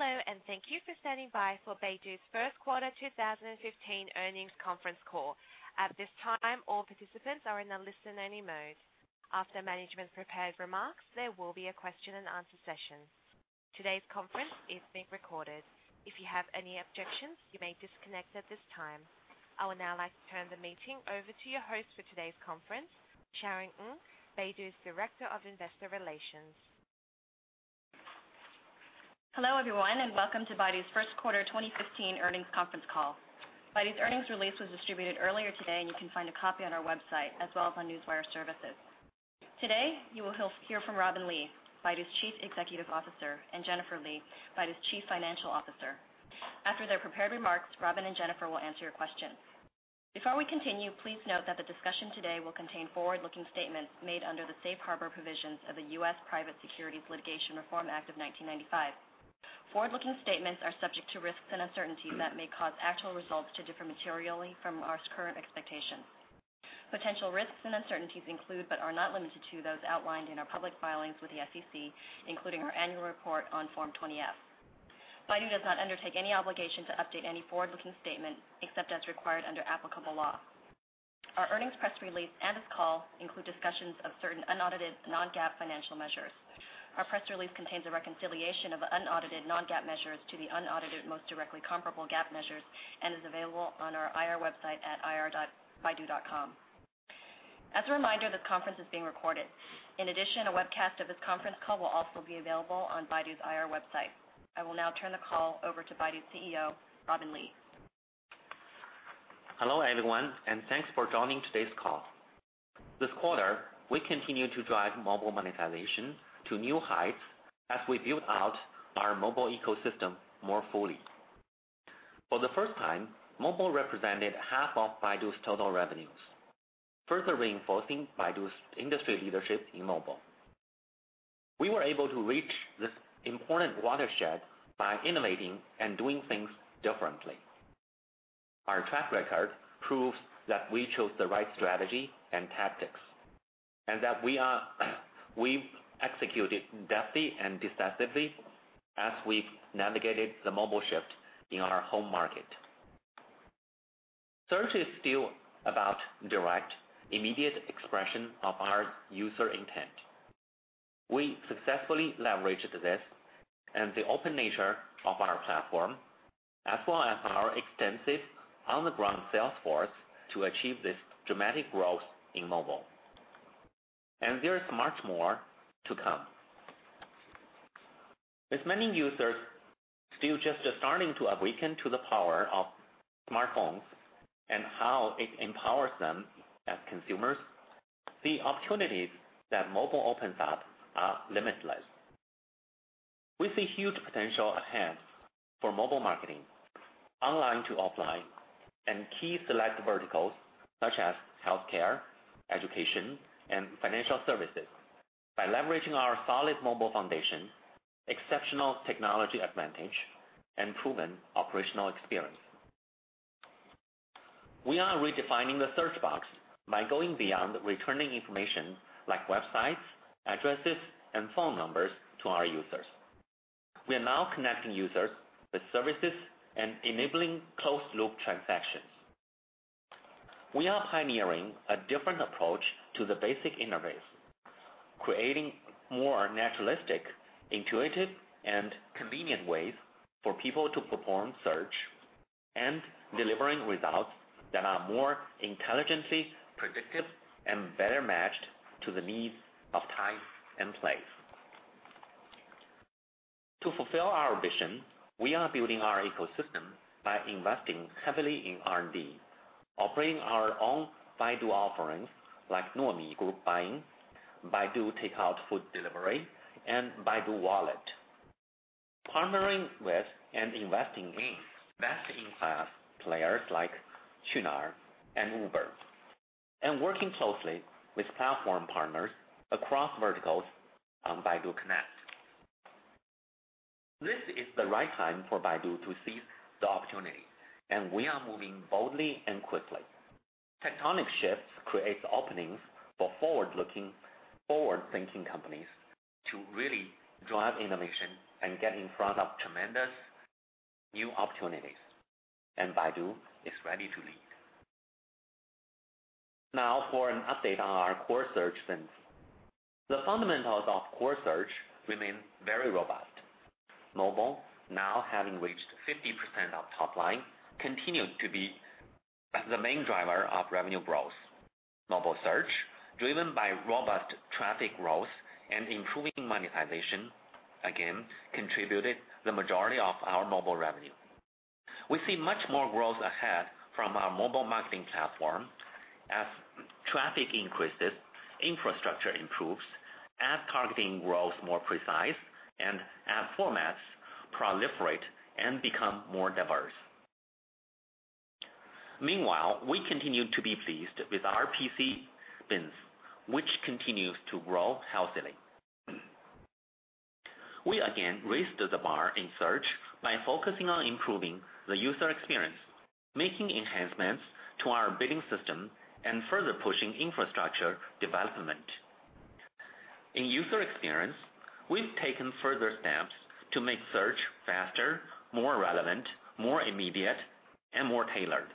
Hello, thank you for standing by for Baidu's first quarter 2015 earnings conference call. At this time, all participants are in a listen-only mode. After management's prepared remarks, there will be a question and answer session. Today's conference is being recorded. If you have any objections, you may disconnect at this time. I would now like to turn the meeting over to your host for today's conference, Sharon Ng, Baidu's Director of Investor Relations. Hello, everyone, welcome to Baidu's first quarter 2015 earnings conference call. Baidu's earnings release was distributed earlier today, and you can find a copy on our website as well as on Newswire services. Today, you will hear from Robin Li, Baidu's Chief Executive Officer, and Jennifer Li, Baidu's Chief Financial Officer. After their prepared remarks, Robin and Jennifer will answer your questions. Before we continue, please note that the discussion today will contain forward-looking statements made under the Safe Harbor provisions of the U.S. Private Securities Litigation Reform Act of 1995. Forward-looking statements are subject to risks and uncertainties that may cause actual results to differ materially from our current expectations. Potential risks and uncertainties include, but are not limited to, those outlined in our public filings with the SEC, including our annual report on Form 20-F. Baidu does not undertake any obligation to update any forward-looking statement, except as required under applicable law. Our earnings press release and this call include discussions of certain unaudited non-GAAP financial measures. Our press release contains a reconciliation of unaudited non-GAAP measures to the unaudited most directly comparable GAAP measures and is available on our IR website at ir.baidu.com. As a reminder, this conference is being recorded. In addition, a webcast of this conference call will also be available on Baidu's IR website. I will now turn the call over to Baidu's CEO, Robin Li. Hello, everyone, thanks for joining today's call. This quarter, we continued to drive mobile monetization to new heights as we built out our mobile ecosystem more fully. For the first time, mobile represented half of Baidu's total revenues, further reinforcing Baidu's industry leadership in mobile. We were able to reach this important watershed by innovating and doing things differently. Our track record proves that we chose the right strategy and tactics, and that we've executed deftly and decisively as we've navigated the mobile shift in our home market. Search is still about direct, immediate expression of our user intent. We successfully leveraged this and the open nature of our platform, as well as our extensive on-the-ground sales force, to achieve this dramatic growth in mobile. There is much more to come. As many users still just are starting to awaken to the power of smartphones and how it empowers them as consumers, the opportunities that mobile opens up are limitless. We see huge potential ahead for mobile marketing, online to offline, and key select verticals such as healthcare, education, and financial services by leveraging our solid mobile foundation, exceptional technology advantage, and proven operational experience. We are redefining the search box by going beyond returning information like websites, addresses, and phone numbers to our users. We are now connecting users with services and enabling closed-loop transactions. We are pioneering a different approach to the basic interface, creating more naturalistic, intuitive, and convenient ways for people to perform search and delivering results that are more intelligently predictive and better matched to the needs of time and place. To fulfill our vision, we are building our ecosystem by investing heavily in R&D, operating our own Baidu offerings like Nuomi group buying, Baidu Waimai, and Baidu Wallet, partnering with and investing in best-in-class players like Qunar and Uber, and working closely with platform partners across verticals on Baidu Connect. This is the right time for Baidu to seize the opportunity. We are moving boldly and quickly. Tectonic shifts create openings for forward-looking, forward-thinking companies to really drive innovation and get in front of tremendous new opportunities. Baidu is ready to lead. Now for an update on our core search business. The fundamentals of core search remain very robust. Mobile, now having reached 50% of top line, continued to be the main driver of revenue growth. Mobile search, driven by robust traffic growth and improving monetization, again contributed the majority of our mobile revenue. We see much more growth ahead from our mobile marketing platform as traffic increases, infrastructure improves, ad targeting grows more precise, and ad formats proliferate and become more diverse. Meanwhile, we continue to be pleased with our PC business, which continues to grow healthily. We again raised the bar in search by focusing on improving the user experience, making enhancements to our bidding system, and further pushing infrastructure development. In user experience, we've taken further steps to make search faster, more relevant, more immediate, and more tailored.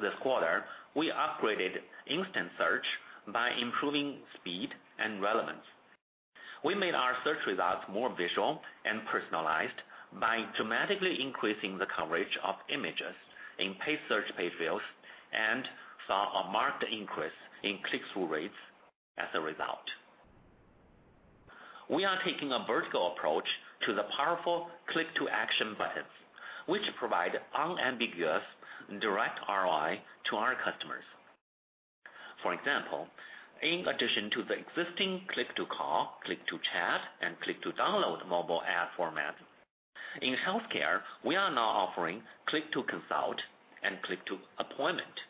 This quarter, we upgraded instant search by improving speed and relevance. We made our search results more visual and personalized by dramatically increasing the coverage of images in paid search page views and saw a marked increase in click-through rates as a result. We are taking a vertical approach to the powerful click-to-action buttons, which provide unambiguous direct ROI to our customers. For example, in addition to the existing click-to-call, click-to-chat, and click-to-download mobile ad format, in healthcare, we are now offering click-to-consult and click-to-appointment.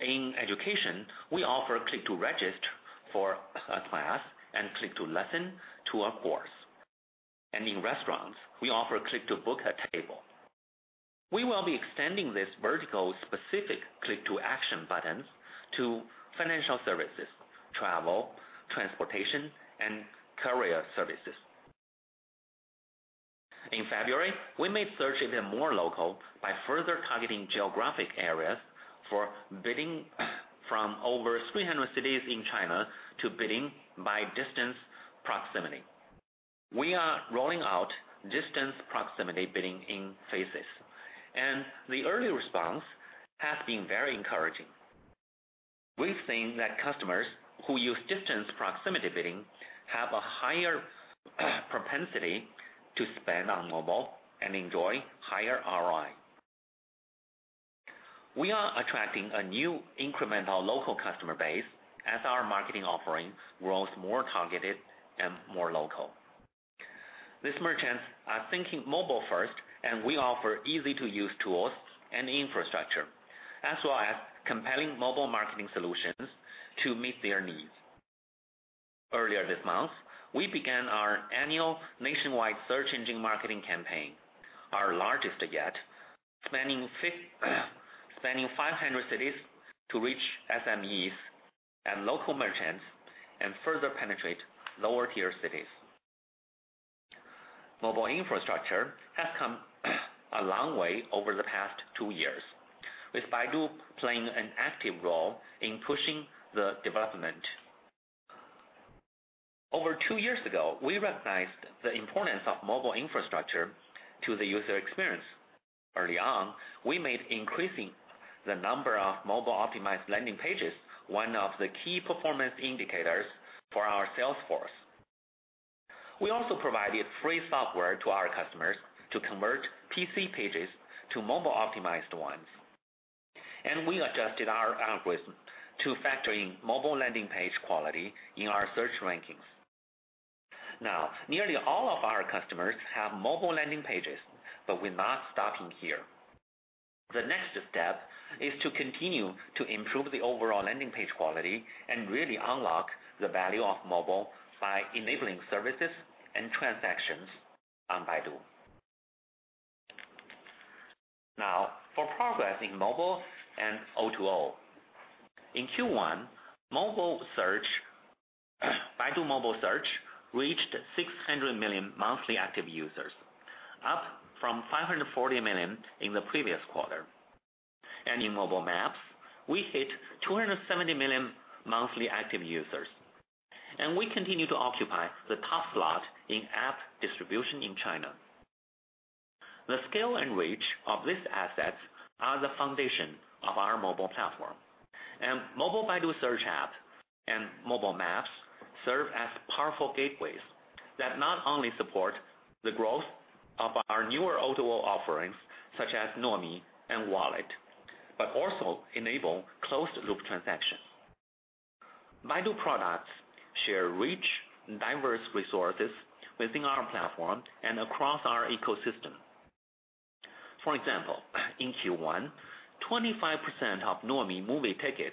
In education, we offer click-to-register for a class and click-to-lesson to a course. In restaurants, we offer click-to-book a table. We will be extending this vertical specific click-to-action buttons to financial services, travel, transportation, and courier services. In February, we made search even more local by further targeting geographic areas from over 300 cities in China to bidding by distance proximity. We are rolling out distance proximity bidding in phases. The early response has been very encouraging. We've seen that customers who use distance proximity bidding have a higher propensity to spend on mobile and enjoy higher ROI. We are attracting a new incremental local customer base as our marketing offerings grows more targeted and more local. These merchants are thinking mobile first, we offer easy-to-use tools and infrastructure, as well as compelling mobile marketing solutions to meet their needs. Earlier this month, we began our annual nationwide search engine marketing campaign, our largest yet, spanning 500 cities to reach SMEs and local merchants, and further penetrate lower-tier cities. Mobile infrastructure has come a long way over the past two years, with Baidu playing an active role in pushing the development. Over two years ago, we recognized the importance of mobile infrastructure to the user experience. Early on, we made increasing the number of mobile-optimized landing pages one of the key performance indicators for our sales force. We also provided free software to our customers to convert PC pages to mobile-optimized ones. We adjusted our algorithm to factor in mobile landing page quality in our search rankings. Now, nearly all of our customers have mobile landing pages, but we're not stopping here. The next step is to continue to improve the overall landing page quality and really unlock the value of mobile by enabling services and transactions on Baidu. Now, for progress in mobile and O2O. In Q1, Baidu mobile search reached 600 million monthly active users, up from 540 million in the previous quarter. In mobile Maps, we hit 270 million monthly active users. We continue to occupy the top slot in app distribution in China. The scale and reach of these assets are the foundation of our mobile platform. Mobile Baidu Search app and Mobile Maps serve as powerful gateways that not only support the growth of our newer O2O offerings, such as Nuomi and Wallet, but also enable closed-loop transaction. Baidu products share rich and diverse resources within our platform and across our ecosystem. For example, in Q1, 25% of Nuomi movie ticket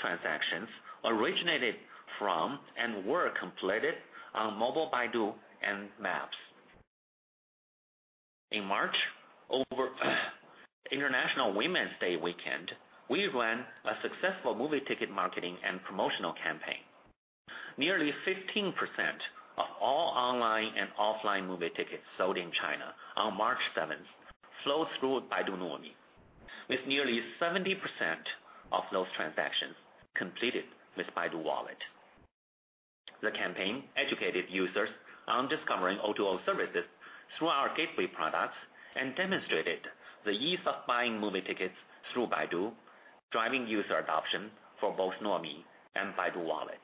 transactions originated from and were completed on Mobile Baidu and Maps. In March, over International Women's Day weekend, we ran a successful movie ticket marketing and promotional campaign. Nearly 15% of all online and offline movie tickets sold in China on March 7th flowed through Baidu Nuomi, with nearly 70% of those transactions completed with Baidu Wallet. The campaign educated users on discovering O2O services through our gateway products and demonstrated the ease of buying movie tickets through Baidu, driving user adoption for both Nuomi and Baidu Wallet.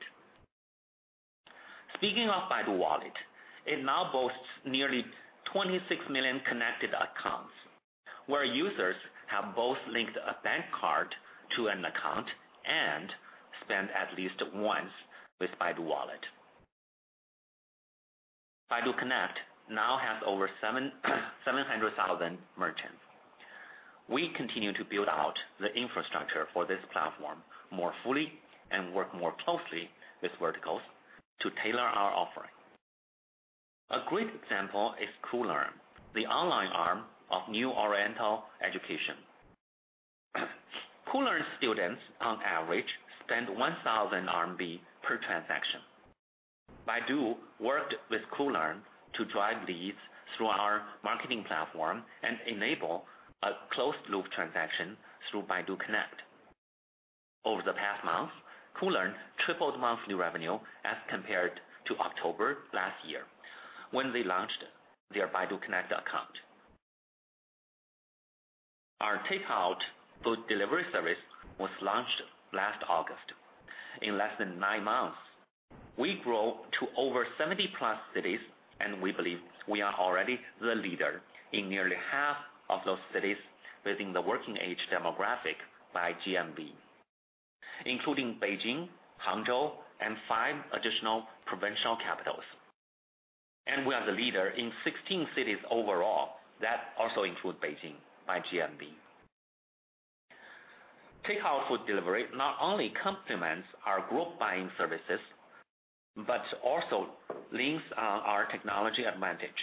Speaking of Baidu Wallet, it now boasts nearly 26 million connected accounts where users have both linked a bank card to an account and spent at least once with Baidu Wallet. Baidu Connect now has over 700,000 merchants. We continue to build out the infrastructure for this platform more fully and work more closely with verticals to tailor our offering. A great example is Koolearn, the online arm of New Oriental Education. Koolearn students on average spend 1,000 RMB per transaction. Baidu worked with Koolearn to drive leads through our marketing platform and enable a closed-loop transaction through Baidu Connect. Over the past month, Koolearn tripled monthly revenue as compared to October last year, when they launched their Baidu Connect account. Our takeout food delivery service was launched last August. In less than nine months, we grew to over 70+ cities, and we believe we are already the leader in nearly half of those cities within the working age demographic by GMV, including Beijing, Hangzhou, and five additional provincial capitals. We are the leader in 16 cities overall. That also includes Beijing by GMV. Takeout food delivery not only complements our group buying services but also leans on our technology advantage.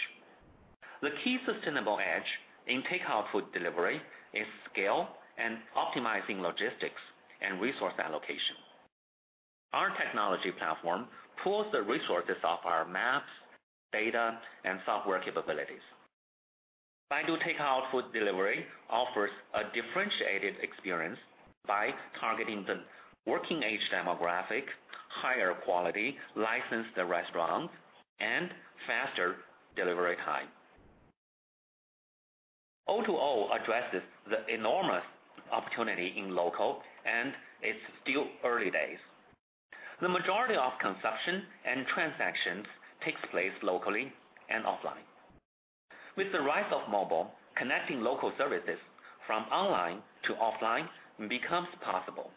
The key sustainable edge in takeout food delivery is scale and optimizing logistics and resource allocation. Our technology platform pools the resources of our maps, data, and software capabilities. Baidu takeout food delivery offers a differentiated experience by targeting the working age demographic, higher quality, licensed restaurants, and faster delivery time. O2O addresses the enormous opportunity in local, and it's still early days. The majority of consumption and transactions take place locally and offline. With the rise of mobile, connecting local services from online to offline becomes possible.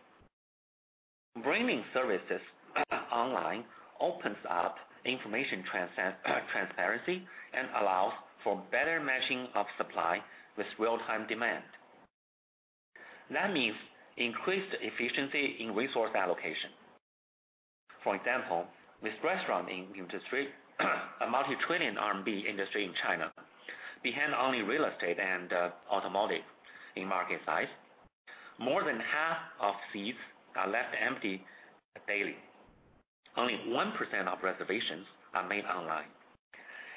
Bringing services online opens up information transparency and allows for better matching of supply with real-time demand. That means increased efficiency in resource allocation. For example, with the restaurant industry, a multi-trillion RMB industry in China behind only real estate and automotive in market size, more than half of seats are left empty daily. Only 1% of reservations are made online.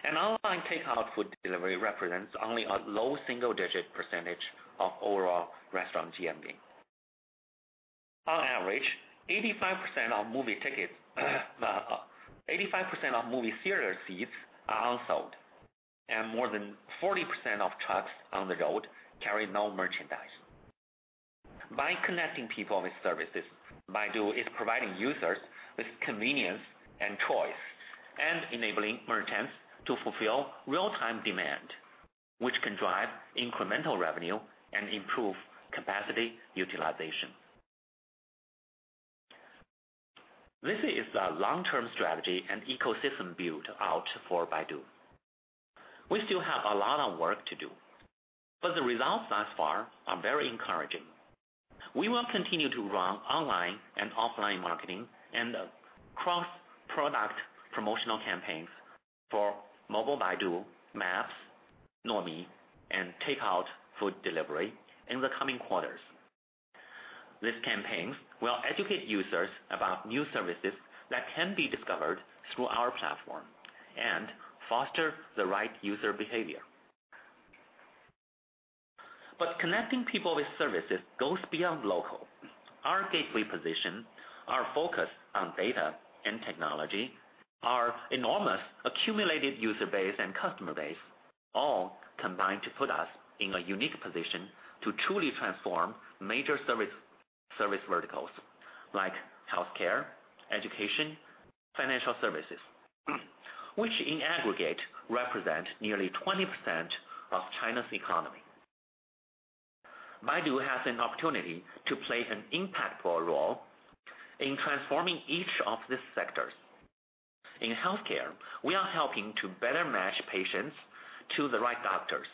Online takeout food delivery represents only a low single-digit percentage of overall restaurant GMV. On average, 85% of movie theater seats are unsold, and more than 40% of trucks on the road carry no merchandise. By connecting people with services, Baidu is providing users with convenience and choice and enabling merchants to fulfill real-time demand, which can drive incremental revenue and improve capacity utilization. This is a long-term strategy and ecosystem build-out for Baidu. We still have a lot of work to do, but the results thus far are very encouraging. We will continue to run online and offline marketing and cross-product promotional campaigns for Mobile Baidu Maps, Nuomi, and takeout food delivery in the coming quarters. These campaigns will educate users about new services that can be discovered through our platform and foster the right user behavior. Connecting people with services goes beyond local. Our gateway position, our focus on data and technology, our enormous accumulated user base and customer base all combine to put us in a unique position to truly transform major service verticals like healthcare, education, financial services, which in aggregate represent nearly 20% of China's economy. Baidu has an opportunity to play an impactful role in transforming each of these sectors. In healthcare, we are helping to better match patients to the right doctors.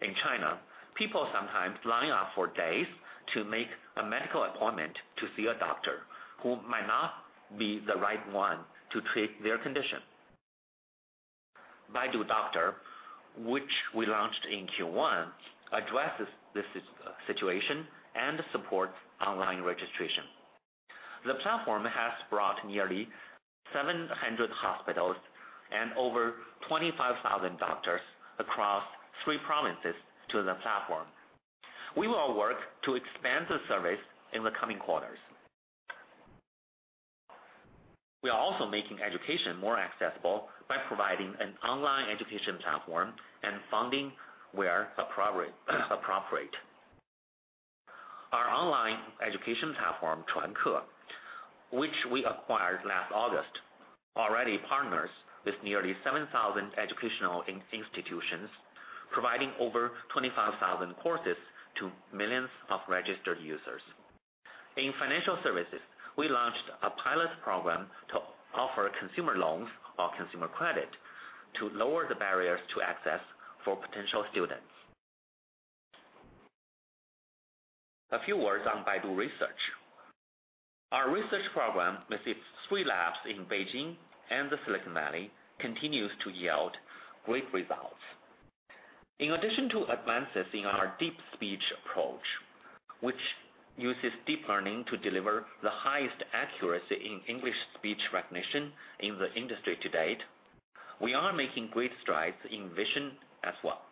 In China, people sometimes line up for days to make a medical appointment to see a doctor who might not be the right one to treat their condition. Baidu Doctor, which we launched in Q1, addresses this situation and supports online registration. The platform has brought nearly 700 hospitals and over 25,000 doctors across three provinces to the platform. We will work to expand the service in the coming quarters. We are also making education more accessible by providing an online education platform and funding where appropriate. Our online education platform, Chuanke, which we acquired last August, already partners with nearly 7,000 educational institutions, providing over 25,000 courses to millions of registered users. In financial services, we launched a pilot program to offer consumer loans or consumer credit to lower the barriers to access for potential students. A few words on Baidu Research. Our research program with its three labs in Beijing and the Silicon Valley continues to yield great results. In addition to advances in our Deep Speech approach, which uses deep learning to deliver the highest accuracy in English speech recognition in the industry to date, we are making great strides in vision as well.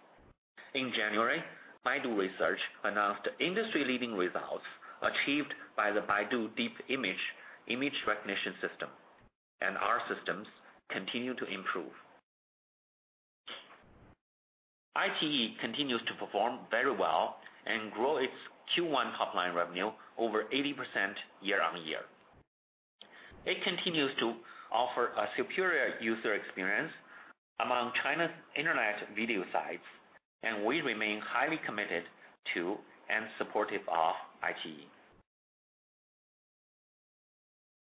In January, Baidu Research announced industry-leading results achieved by the Baidu deep image recognition system, and our systems continue to improve. iQIYI continues to perform very well and grow its Q1 top line revenue over 80% year-on-year. It continues to offer a superior user experience among China's internet video sites, and we remain highly committed to and supportive of iQIYI.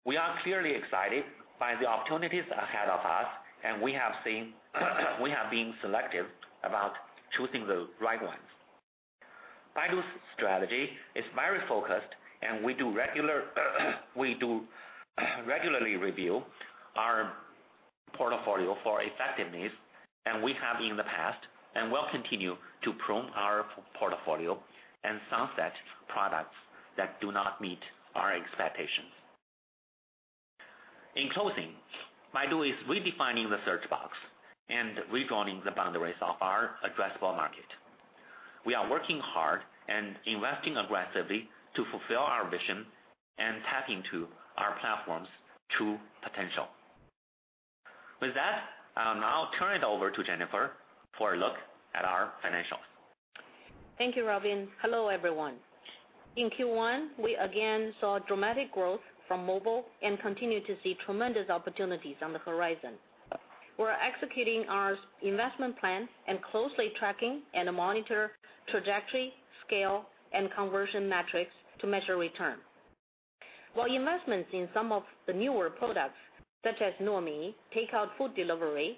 We are clearly excited by the opportunities ahead of us, and we have been selective about choosing the right ones. Baidu's strategy is very focused. We do regularly review our portfolio for effectiveness. We have in the past and will continue to prune our portfolio and sunset products that do not meet our expectations. In closing, Baidu is redefining the search box and redrawing the boundaries of our addressable market. We are working hard and investing aggressively to fulfill our vision and tap into our platform's true potential. With that, I'll now turn it over to Jennifer for a look at our financials. Thank you, Robin. Hello, everyone. In Q1, we again saw dramatic growth from mobile and continue to see tremendous opportunities on the horizon. We're executing our investment plan and closely tracking and monitor trajectory, scale, and conversion metrics to measure return. While investments in some of the newer products such as Nuomi, takeout food delivery,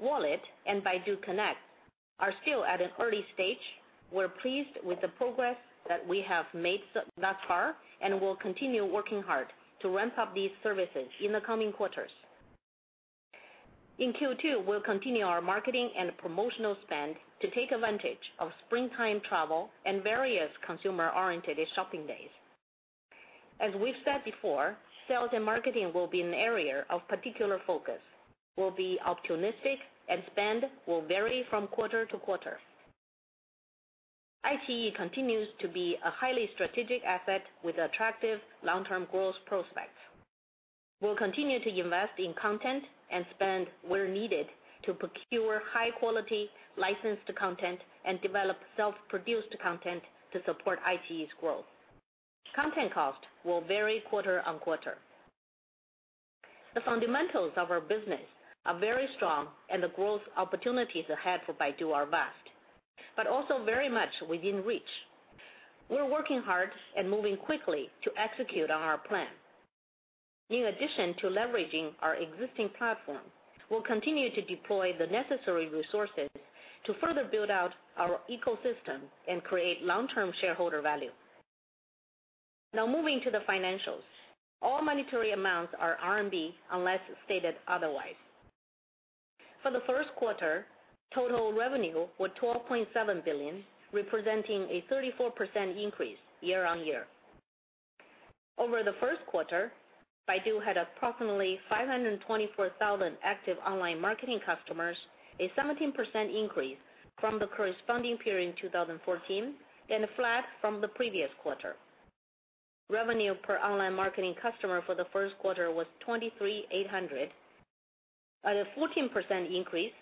Wallet, and Baidu Connect are still at an early stage, we're pleased with the progress that we have made thus far and will continue working hard to ramp up these services in the coming quarters. In Q2, we'll continue our marketing and promotional spend to take advantage of springtime travel and various consumer-oriented shopping days. As we've said before, sales and marketing will be an area of particular focus. We'll be opportunistic, and spend will vary from quarter to quarter. iQIYI continues to be a highly strategic asset with attractive long-term growth prospects. We'll continue to invest in content and spend where needed to procure high-quality licensed content and develop self-produced content to support iQIYI's growth. Content cost will vary quarter-on-quarter. The fundamentals of our business are very strong. The growth opportunities ahead for Baidu are vast, but also very much within reach. We're working hard and moving quickly to execute on our plan. In addition to leveraging our existing platform, we'll continue to deploy the necessary resources to further build out our ecosystem and create long-term shareholder value. Now moving to the financials. All monetary amounts are RMB unless stated otherwise. For the first quarter, total revenue was 12.7 billion, representing a 34% increase year-on-year. Over the first quarter, Baidu had approximately 524,000 active online marketing customers, a 17% increase from the corresponding period in 2014 and flat from the previous quarter. Revenue per online marketing customer for the first quarter was 2,300, a 14% increase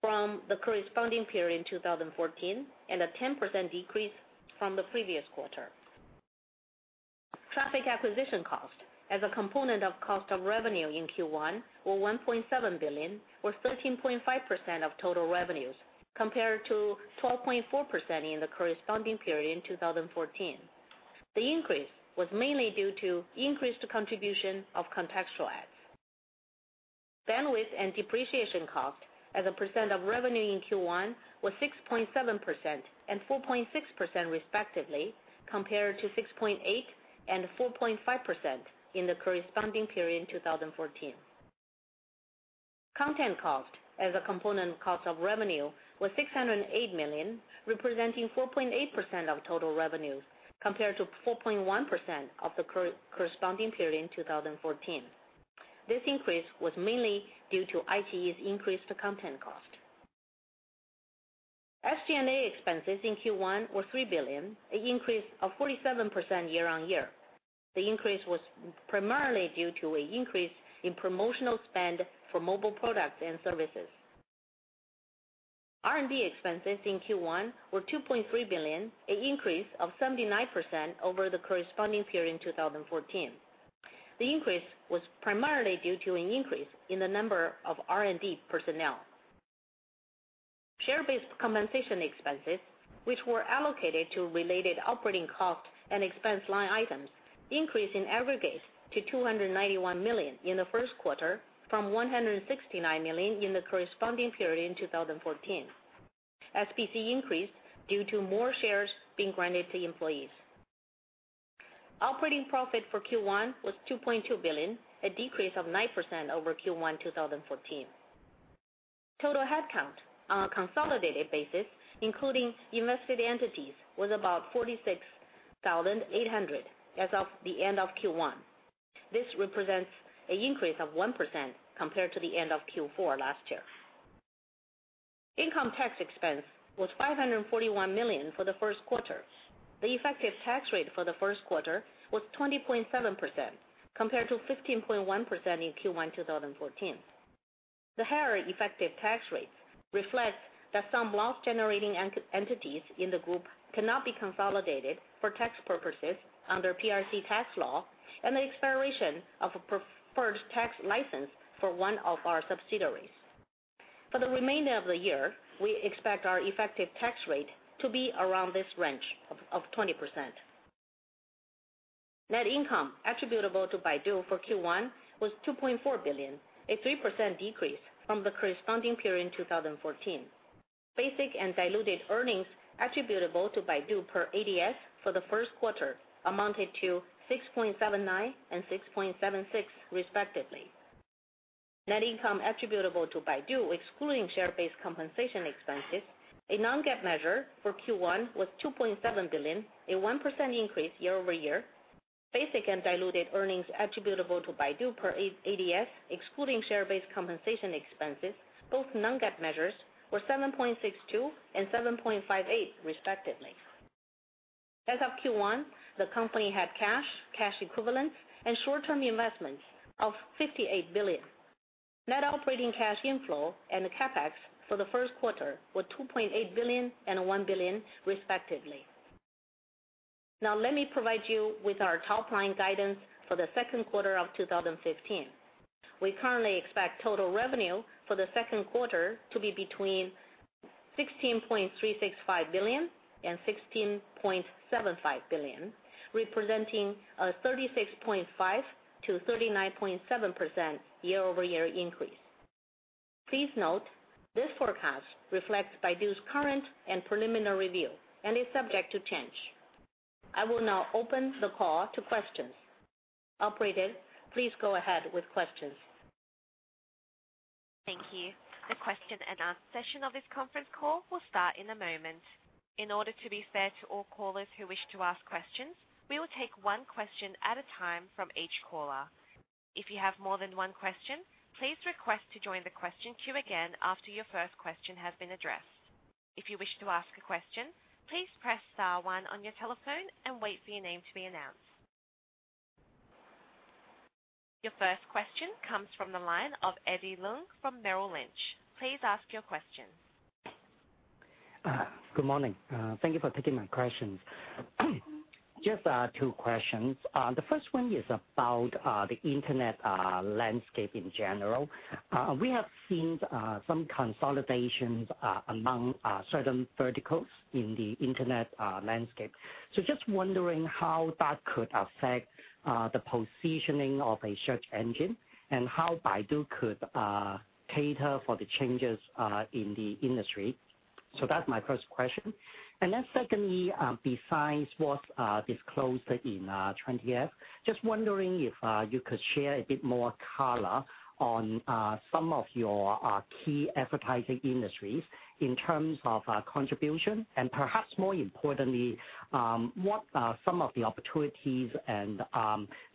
from the corresponding period in 2014 and a 10% decrease from the previous quarter. Traffic acquisition cost as a component of cost of revenue in Q1 were 1.7 billion, or 13.5% of total revenues, compared to 12.4% in the corresponding period in 2014. The increase was mainly due to increased contribution of contextual ads. Bandwidth and depreciation cost as a % of revenue in Q1 were 6.7% and 4.6% respectively, compared to 6.8% and 4.5% in the corresponding period in 2014. Content cost as a component cost of revenue was 608 million, representing 4.8% of total revenues, compared to 4.1% of the corresponding period in 2014. This increase was mainly due to iQIYI's increased content cost. SG&A expenses in Q1 were 3 billion, an increase of 47% year-on-year. The increase was primarily due to an increase in promotional spend for mobile products and services. R&D expenses in Q1 were 2.3 billion, an increase of 79% over the corresponding period in 2014. The increase was primarily due to an increase in the number of R&D personnel. Share-based compensation expenses, which were allocated to related operating costs and expense line items increased in aggregate to 291 million in the first quarter from 169 million in the corresponding period in 2014. SBC increased due to more shares being granted to employees. Operating profit for Q1 was 2.2 billion, a decrease of 9% over Q1 2014. Total headcount on a consolidated basis, including invested entities, was about 46,800 as of the end of Q1. This represents an increase of 1% compared to the end of Q4 last year. Income tax expense was 541 million for the first quarter. The effective tax rate for the first quarter was 20.7% compared to 15.1% in Q1 2014. The higher effective tax rates reflect that some loss-generating entities in the group cannot be consolidated for tax purposes under PRC tax law, and the expiration of a preferred tax license for one of our subsidiaries. For the remainder of the year, we expect our effective tax rate to be around this range of 20%. Net income attributable to Baidu for Q1 was 2.4 billion, a 3% decrease from the corresponding period in 2014. Basic and diluted earnings attributable to Baidu per ADS for the first quarter amounted to $6.79 and $6.76 respectively. Net income attributable to Baidu, excluding share-based compensation expenses, a non-GAAP measure for Q1 was 2.7 billion, a 1% increase year-over-year. Basic and diluted earnings attributable to Baidu per ADS, excluding share-based compensation expenses, both non-GAAP measures, were $7.62 and $7.58 respectively. As of Q1, the company had cash equivalents, and short-term investments of RMB 58 billion. Net operating cash inflow and the CapEx for the first quarter were RMB 2.8 billion and RMB 1 billion respectively. Let me provide you with our top-line guidance for the second quarter of 2015. We currently expect total revenue for the second quarter to be between 16.365 billion and 16.75 billion, representing a 36.5%-39.7% year-over-year increase. Please note this forecast reflects Baidu's current and preliminary review and is subject to change. I will now open the call to questions. Operator, please go ahead with questions. Thank you. The question and answer session of this conference call will start in a moment. In order to be fair to all callers who wish to ask questions, we will take one question at a time from each caller. If you have more than one question, please request to join the question queue again after your first question has been addressed. If you wish to ask a question, please press star one on your telephone and wait for your name to be announced. Your first question comes from the line of Eddie Leung from Merrill Lynch. Please ask your question. Good morning. Thank you for taking my questions. Just two questions. The first one is about the internet landscape in general. We have seen some consolidations among certain verticals in the internet landscape. Just wondering how that could affect the positioning of a search engine and how Baidu could cater for the changes in the industry. That's my first question. Secondly, besides what's disclosed in 20-F, just wondering if you could share a bit more color on some of your key advertising industries in terms of contribution and perhaps more importantly, what are some of the opportunities and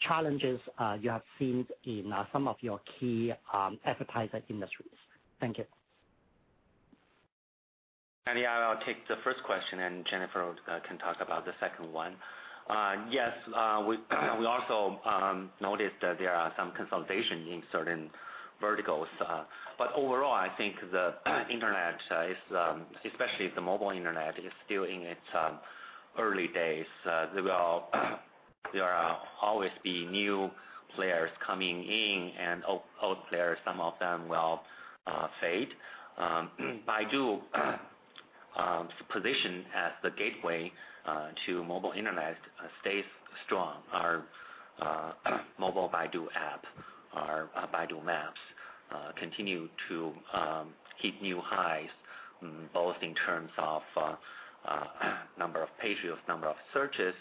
challenges you have seen in some of your key advertising industries? Thank you. Eddie, I'll take the first question, and Jennifer can talk about the second one. Yes, we also noticed that there are some consolidation in certain verticals. Overall, I think the internet, especially the mobile internet, is still in its early days. There will always be new players coming in and old players, some of them will fade. Baidu's position as the gateway to mobile internet stays strong. Our Mobile Baidu App, our Baidu Maps, continue to hit new highs, both in terms of number of pages, number of searches,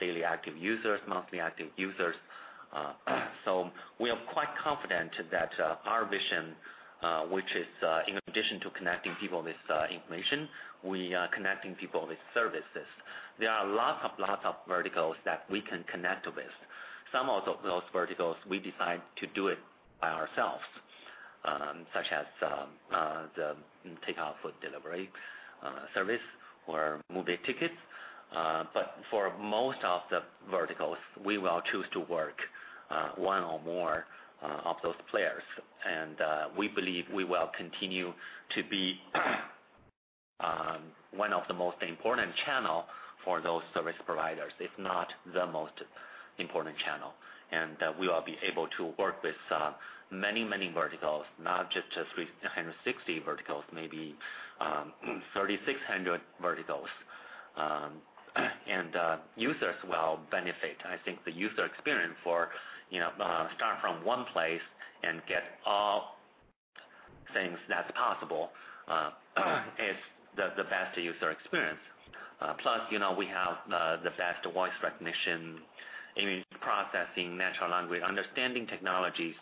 daily active users, monthly active users. We are quite confident that our vision, which is, in addition to connecting people with information, we are connecting people with services. There are lots of verticals that we can connect with. Some of those verticals, we decide to do it by ourselves, such as the takeout food delivery service or movie tickets. For most of the verticals, we will choose to work one or more of those players. We believe we will continue to be one of the most important channel for those service providers, if not the most important channel. We will be able to work with many verticals, not just 360 verticals, maybe 3,600 verticals. Users will benefit. I think the user experience for start from one place and get all things that is possible is the best user experience. We have the best voice recognition, image processing, natural language understanding technologies.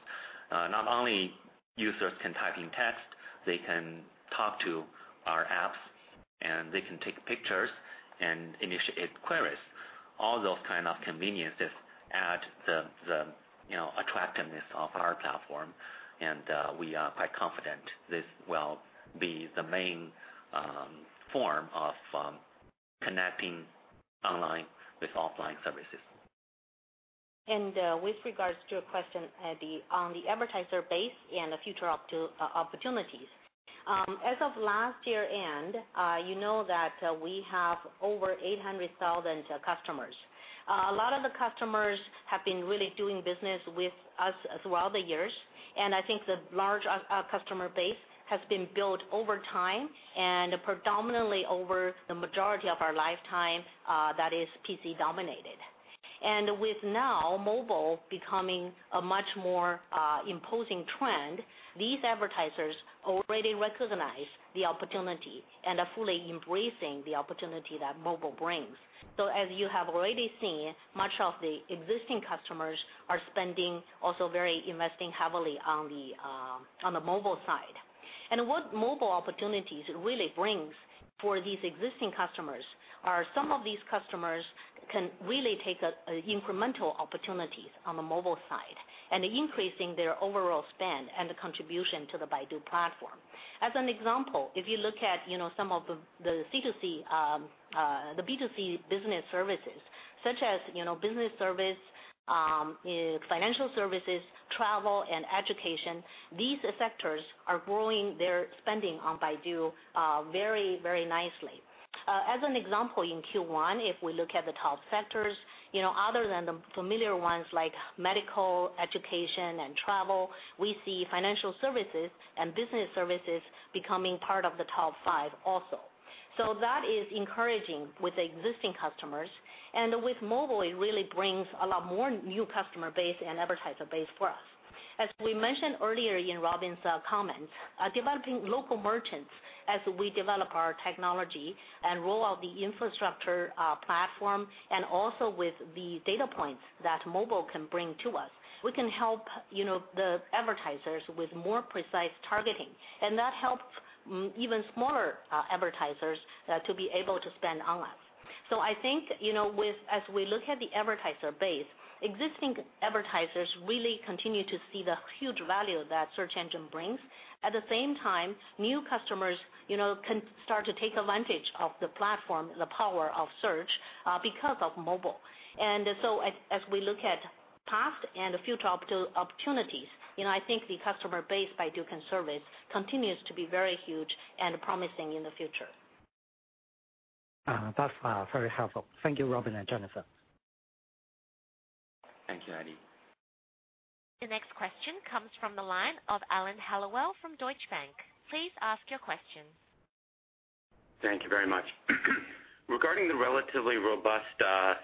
Not only users can type in text, they can talk to our apps, and they can take pictures and initiate queries. All those kind of conveniences add to the attractiveness of our platform. We are quite confident this will be the main form of connecting online with offline services. With regards to your question, Eddie, on the advertiser base and the future opportunities. As of last year end, you know that we have over 800,000 customers. A lot of the customers have been really doing business with us throughout the years. The large customer base has been built over time and predominantly over the majority of our lifetime that is PC dominated. With now mobile becoming a much more imposing trend, these advertisers already recognize the opportunity and are fully embracing the opportunity that mobile brings. As you have already seen, much of the existing customers are spending also very investing heavily on the mobile side. What mobile opportunities really brings for these existing customers are some of these customers can really take incremental opportunities on the mobile side and increasing their overall spend and the contribution to the Baidu platform. As an example, if you look at some of the B2C business services such as business service, financial services, travel, and education, these sectors are growing their spending on Baidu very nicely. As an example, in Q1, if we look at the top five sectors, other than the familiar ones like medical, education, and travel, we see financial services and business services becoming part of the top five also. That is encouraging with existing customers. With mobile, it really brings a lot more new customer base and advertiser base for us. As we mentioned earlier in Robin's comments, developing local merchants as we develop our technology and roll out the infrastructure platform and also with the data points that mobile can bring to us, we can help the advertisers with more precise targeting. That helps even smaller advertisers to be able to spend on us. I think as we look at the advertiser base, existing advertisers really continue to see the huge value that search engine brings. At the same time, new customers can start to take advantage of the platform, the power of search because of mobile. As we look at past and future opportunities, I think the customer base Baidu can service continues to be very huge and promising in the future. That's very helpful. Thank you, Robin and Jennifer. Thank you, Eddie. The next question comes from the line of Alan Hellawell from Deutsche Bank. Please ask your question. Thank you very much. Regarding the relatively robust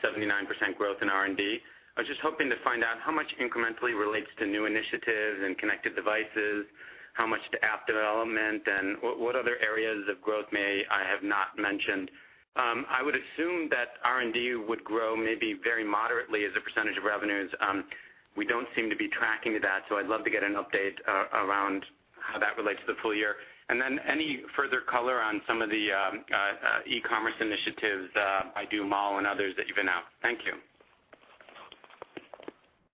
79% growth in R&D, I was just hoping to find out how much incrementally relates to new initiatives and connected devices, how much to app development, and what other areas of growth may I have not mentioned. I would assume that R&D would grow maybe very moderately as a percentage of revenues. We don't seem to be tracking to that, so I'd love to get an update around how that relates to the full year. Then any further color on some of the e-commerce initiatives, Baidu Mall and others that you've announced. Thank you.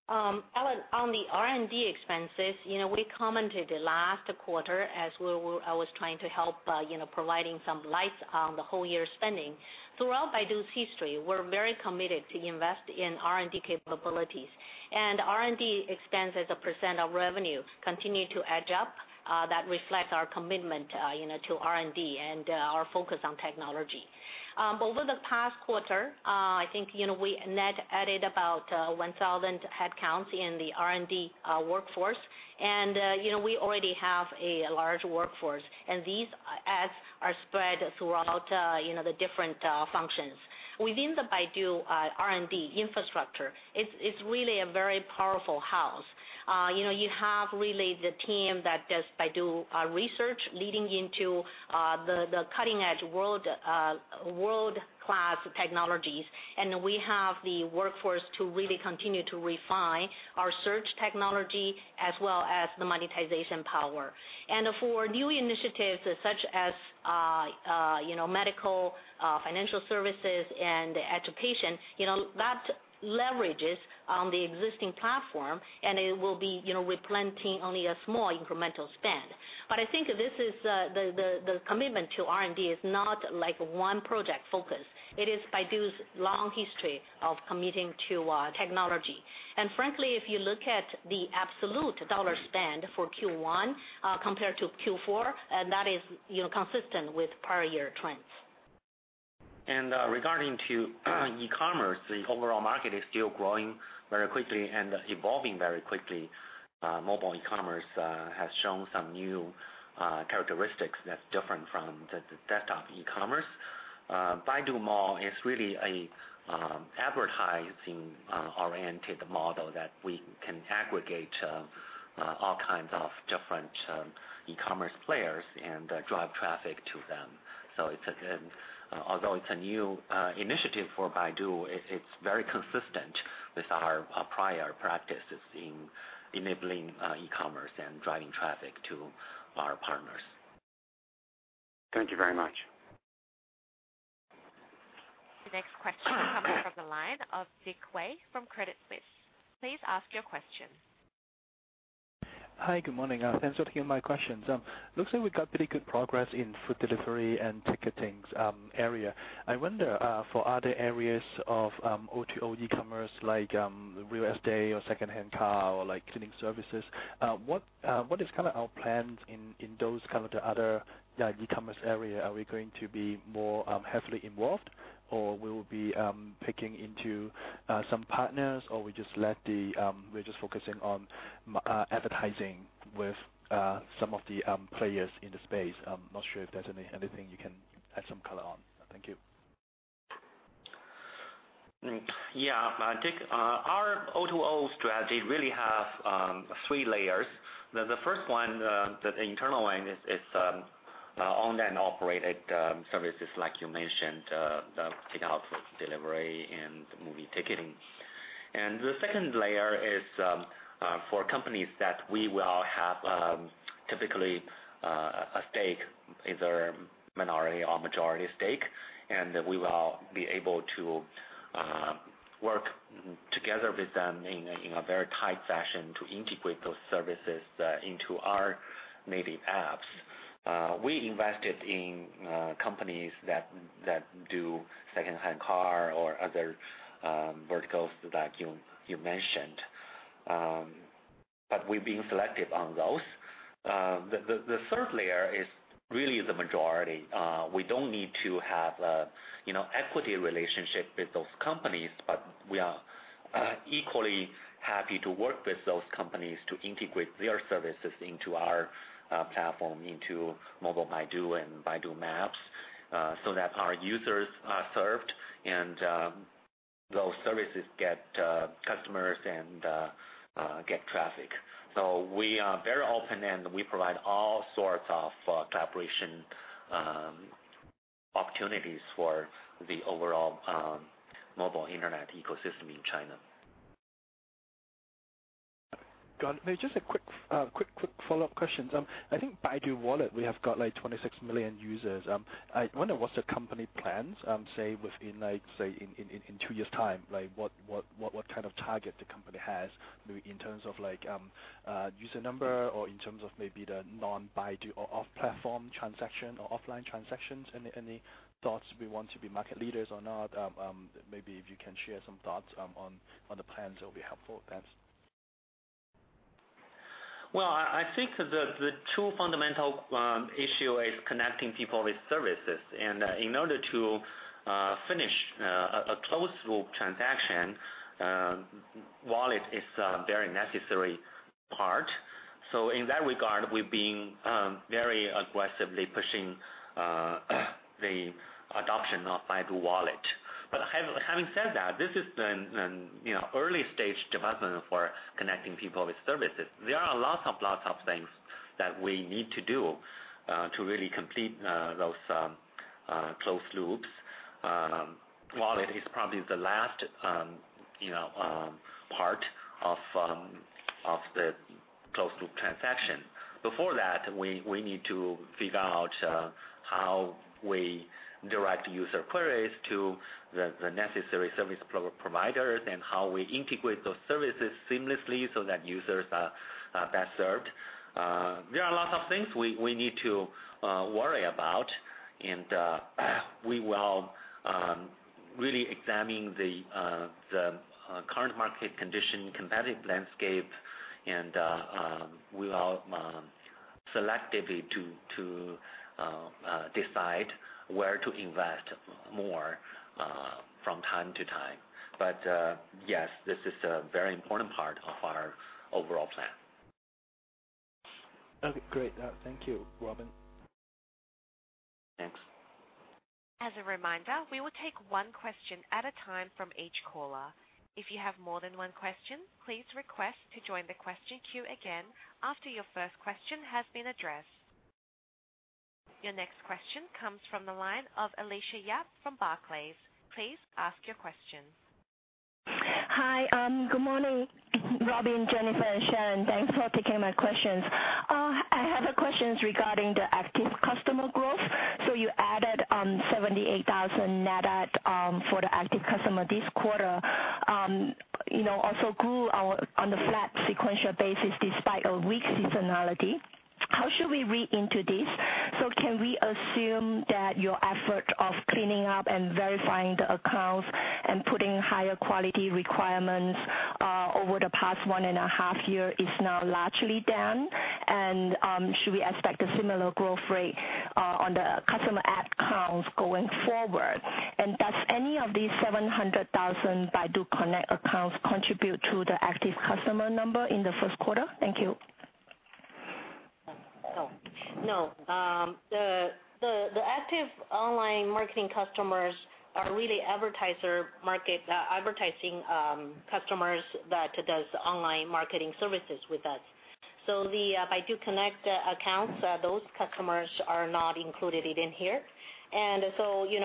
Alan Hellawell, on the R&D expenses, we commented last quarter as I was trying to help providing some light on the whole year spending. Throughout Baidu's history, we're very committed to invest in R&D capabilities. R&D expense as a % of revenues continue to edge up. That reflects our commitment to R&D and our focus on technology. Over the past quarter, I think we net added about 1,000 headcounts in the R&D workforce. We already have a large workforce, and these adds are spread throughout the different functions. Within the Baidu R&D infrastructure, it's really a very powerful house. You have really the team that does Baidu Research leading into the cutting-edge world-class technologies. We have the workforce to really continue to refine our search technology as well as the monetization power. For new initiatives such as medical, financial services, and education, that leverages on the existing platform, and it will be representing only a small incremental spend. I think the commitment to R&D is not like one project focus. It is Baidu's long history of committing to technology. Frankly, if you look at the absolute dollar spend for Q1 compared to Q4, that is consistent with prior year trends. Regarding to e-commerce, the overall market is still growing very quickly and evolving very quickly. Mobile e-commerce has shown some new characteristics that's different from the desktop e-commerce. Baidu Mall is really an advertising-oriented model that we can aggregate all kinds of different e-commerce players and drive traffic to them. Although it's a new initiative for Baidu, it's very consistent with our prior practices in enabling e-commerce and driving traffic to our partners. Thank you very much. The next question comes from the line of Dick Wei from Credit Suisse. Please ask your question. Hi. Good morning. Thanks for taking my questions. Looks like we got pretty good progress in food delivery and ticketing area. I wonder for other areas of O2O e-commerce, like real estate or secondhand car or cleaning services, what is our plans in those kind of the other e-commerce area? Are we going to be more heavily involved, or we will be picking into some partners, or we're just focusing on advertising with some of the players in the space? I'm not sure if there's anything you can add some color on. Thank you. Dick, our O2O strategy really have three layers. The first one, the internal one, is owned and operated services like you mentioned, the takeout, food delivery, and movie ticketing. The second layer is for companies that we will have typically a stake, either minority or majority stake, and we will be able to work together with them in a very tight fashion to integrate those services into our native apps. We invested in companies that do secondhand car or other verticals like you mentioned. We're being selective on those. The third layer is really the majority. We don't need to have equity relationship with those companies, but we are equally happy to work with those companies to integrate their services into our platform, into Baidu App and Baidu Maps so that our users are served and those services get customers and get traffic. We are very open, and we provide all sorts of collaboration opportunities for the overall mobile internet ecosystem in China. Got it. Just a quick follow-up questions. Baidu Wallet, we have got 26 million users. I wonder what's the company plans, say, within, say, in two years' time, what kind of target the company has maybe in terms of user number or in terms of maybe the non-Baidu or off-platform transaction or offline transactions? Any thoughts, we want to be market leaders or not? Maybe if you can share some thoughts on the plans, that will be helpful. Thanks. Well, I think the two fundamental issue is connecting people with services. In order to finish a closed loop transaction, wallet is a very necessary part. In that regard, we're being very aggressively pushing the adoption of Baidu Wallet. Having said that, this is an early stage development for connecting people with services. There are lots of things that we need to do to really complete those closed loops. Wallet is probably the last part of the closed loop transaction. Before that, we need to figure out how we direct user queries to the necessary service providers and how we integrate those services seamlessly so that users are best served. There are lots of things we need to worry about, and we will really examine the current market condition, competitive landscape, and we will selectively to decide where to invest more from time to time. Yes, this is a very important part of our overall plan. Okay, great. Thank you, Robin. Thanks. As a reminder, we will take one question at a time from each caller. If you have more than one question, please request to join the question queue again after your first question has been addressed. Your next question comes from the line of Alicia Yap from Barclays. Please ask your question. Hi. Good morning, Robin, Jennifer, and Sharon. Thanks for taking my questions. I have a questions regarding the active customer growth. You added 78,000 net add for the active customer this quarter, also grew on the flat sequential basis despite a weak seasonality. How should we read into this? Can we assume that your effort of cleaning up and verifying the accounts and putting higher quality requirements over the past one and a half year is now largely done? Should we expect a similar growth rate on the customer add accounts going forward? Does any of these 700,000 Baidu Connect accounts contribute to the active customer number in the first quarter? Thank you. No. The active online marketing customers are really advertising customers that does online marketing services with us. The Baidu Connect accounts, those customers are not included in here. Sequentially,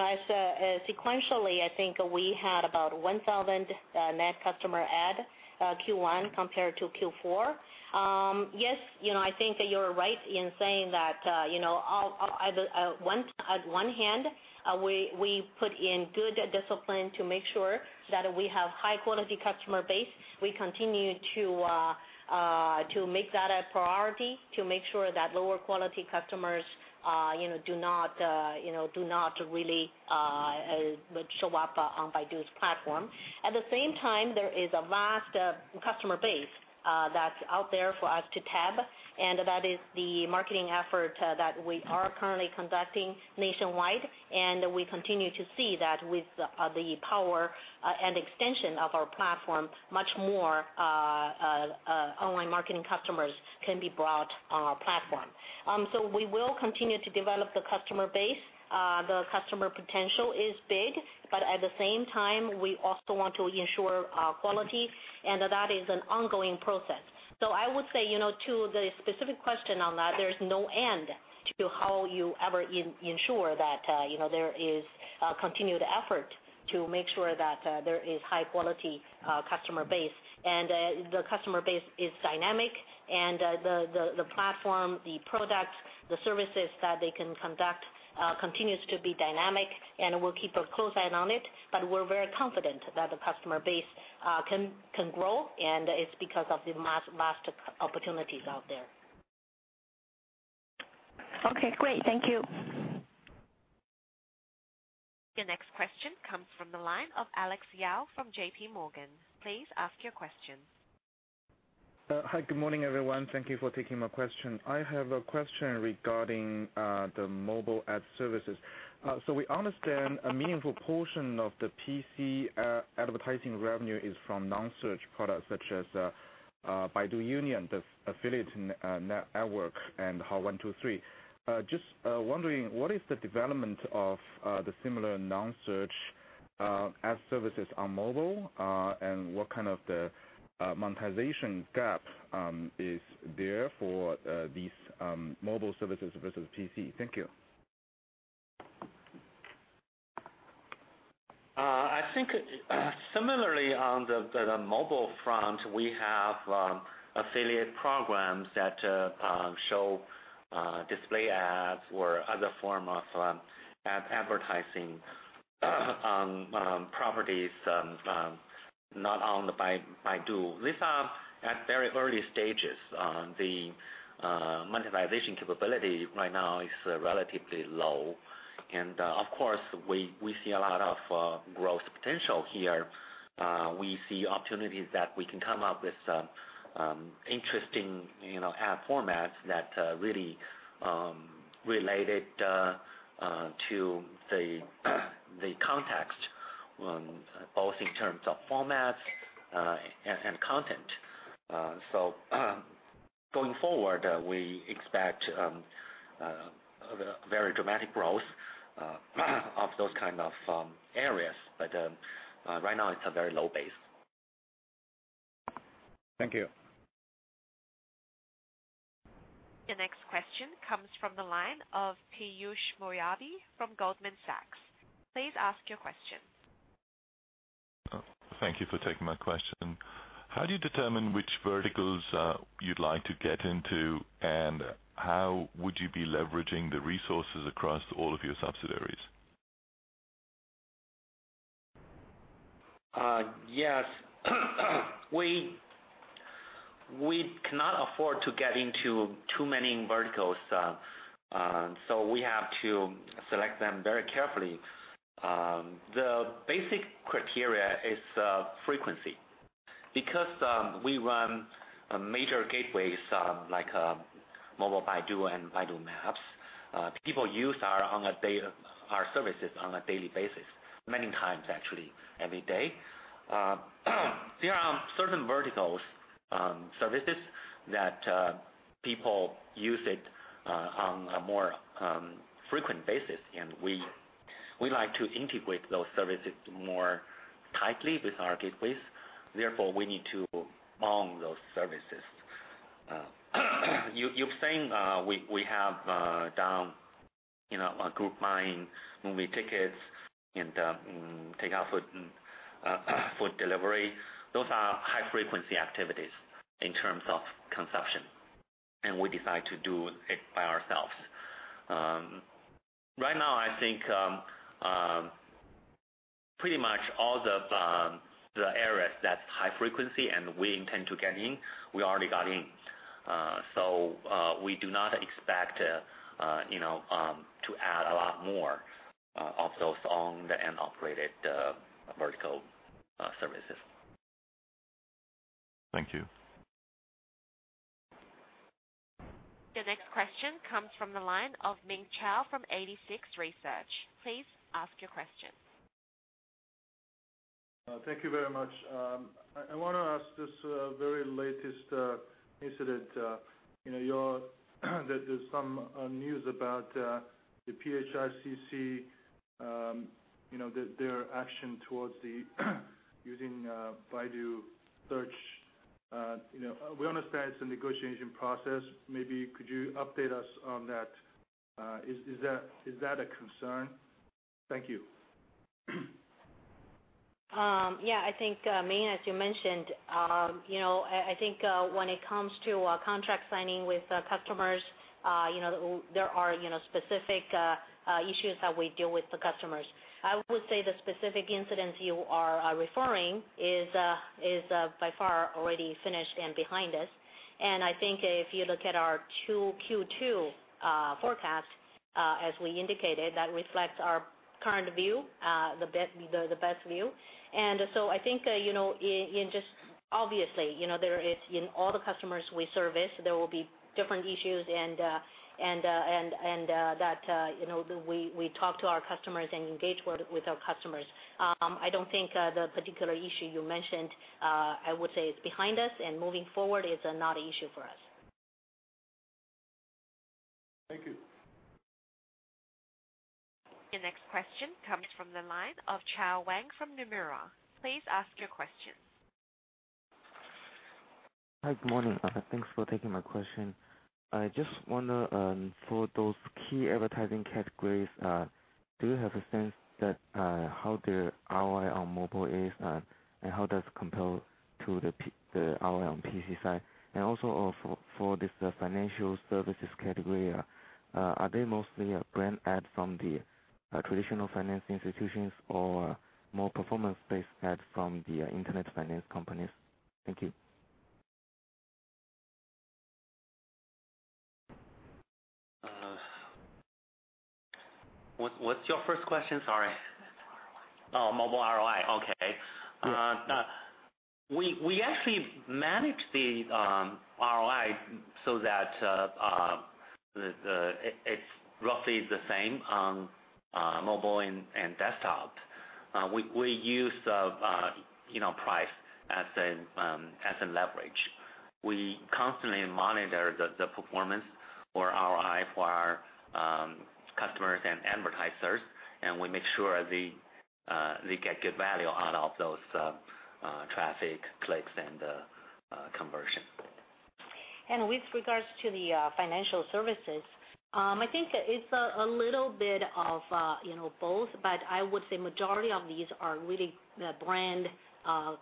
I think we had about 1,000 net customer add Q1 compared to Q4. Yes, I think that you're right in saying that, at one hand, we put in good discipline to make sure that we have high-quality customer base. We continue to make that a priority, to make sure that lower quality customers do not really show up on Baidu's platform. At the same time, there is a vast customer base that's out there for us to tap, and that is the marketing effort that we are currently conducting nationwide. We continue to see that with the power and extension of our platform, much more online marketing customers can be brought on our platform. We will continue to develop the customer base. The customer potential is big, but at the same time, we also want to ensure quality, and that is an ongoing process. I would say, to the specific question on that, there's no end to how you ever ensure that there is a continued effort to make sure that there is high-quality customer base. The customer base is dynamic and the platform, the product, the services that they can conduct continues to be dynamic, and we'll keep a close eye on it. We're very confident that the customer base can grow, and it's because of the vast opportunities out there. Okay, great. Thank you. Your next question comes from the line of Alex Yao from JP Morgan. Please ask your question. Hi, good morning, everyone. Thank you for taking my question. I have a question regarding the mobile ad services. We understand a meaningful portion of the PC advertising revenue is from non-search products such as Baidu Union, the affiliate network, and Hao123. Just wondering, what is the development of the similar non-search ad services on mobile? What kind of monetization gap is there for these mobile services versus PC? Thank you. I think similarly on the mobile front, we have affiliate programs that show display ads or other form of advertising on properties not owned by Baidu. These are at very early stages. The monetization capability right now is relatively low. Of course, we see a lot of growth potential here. We see opportunities that we can come up with interesting ad formats that really related to the context, both in terms of formats and content. Going forward, we expect very dramatic growth of those kind of areas. Right now, it's a very low base. Thank you. Your next question comes from the line of Piyush Mubayi from Goldman Sachs. Please ask your question. Thank you for taking my question. How do you determine which verticals you'd like to get into, and how would you be leveraging the resources across all of your subsidiaries? Yes. We cannot afford to get into too many verticals, so we have to select them very carefully. The basic criteria is frequency. Because we run major gateways like Baidu App and Baidu Maps, people use our services on a daily basis, many times actually every day. There are certain vertical services that people use it on a more frequent basis, and we like to integrate those services more tightly with our gateways. Therefore, we need to own those services. You've seen we have done Group Buying, movie tickets, and takeout food delivery. Those are high-frequency activities in terms of consumption, and we decide to do it by ourselves. Right now, I think pretty much all the areas that's high frequency and we intend to get in, we already got in. We do not expect to add a lot more of those owned and operated vertical services. Thank you. Your next question comes from the line of Ming Zhao from 86Research. Please ask your question. Thank you very much. I want to ask this very latest incident that there is some news about the PICC, their action towards using Baidu search. We understand it is a negotiation process. Maybe could you update us on that? Is that a concern? Thank you. Yeah, I think, Ming, as you mentioned, I think when it comes to contract signing with customers, there are specific issues that we deal with the customers. I would say the specific incidents you are referring is by far already finished and behind us, and I think if you look at our Q2 forecast, as we indicated, that reflects our current view, the best view. I think, obviously, in all the customers we service, there will be different issues, and that we talk to our customers and engage with our customers. I don't think the particular issue you mentioned, I would say is behind us, and moving forward is not an issue for us. Thank you. Your next question comes from the line of Chao Wang from Nomura. Please ask your question. Hi. Good morning. Thanks for taking my question. I just wonder for those key advertising categories, do you have a sense that how their ROI on mobile is, and how does it compare to the ROI on PC side? For this financial services category, are they mostly brand ads from the traditional finance institutions or more performance-based ads from the internet finance companies? Thank you. What's your first question? Sorry. It's ROI. Oh, mobile ROI, okay. Yes. We actually manage the ROI so that it's roughly the same on mobile and desktop. We use price as a leverage. We constantly monitor the performance or ROI for our customers and advertisers. We make sure they get good value out of those traffic clicks and conversion. With regards to the financial services, I think it's a little bit of both, but I would say majority of these are really brand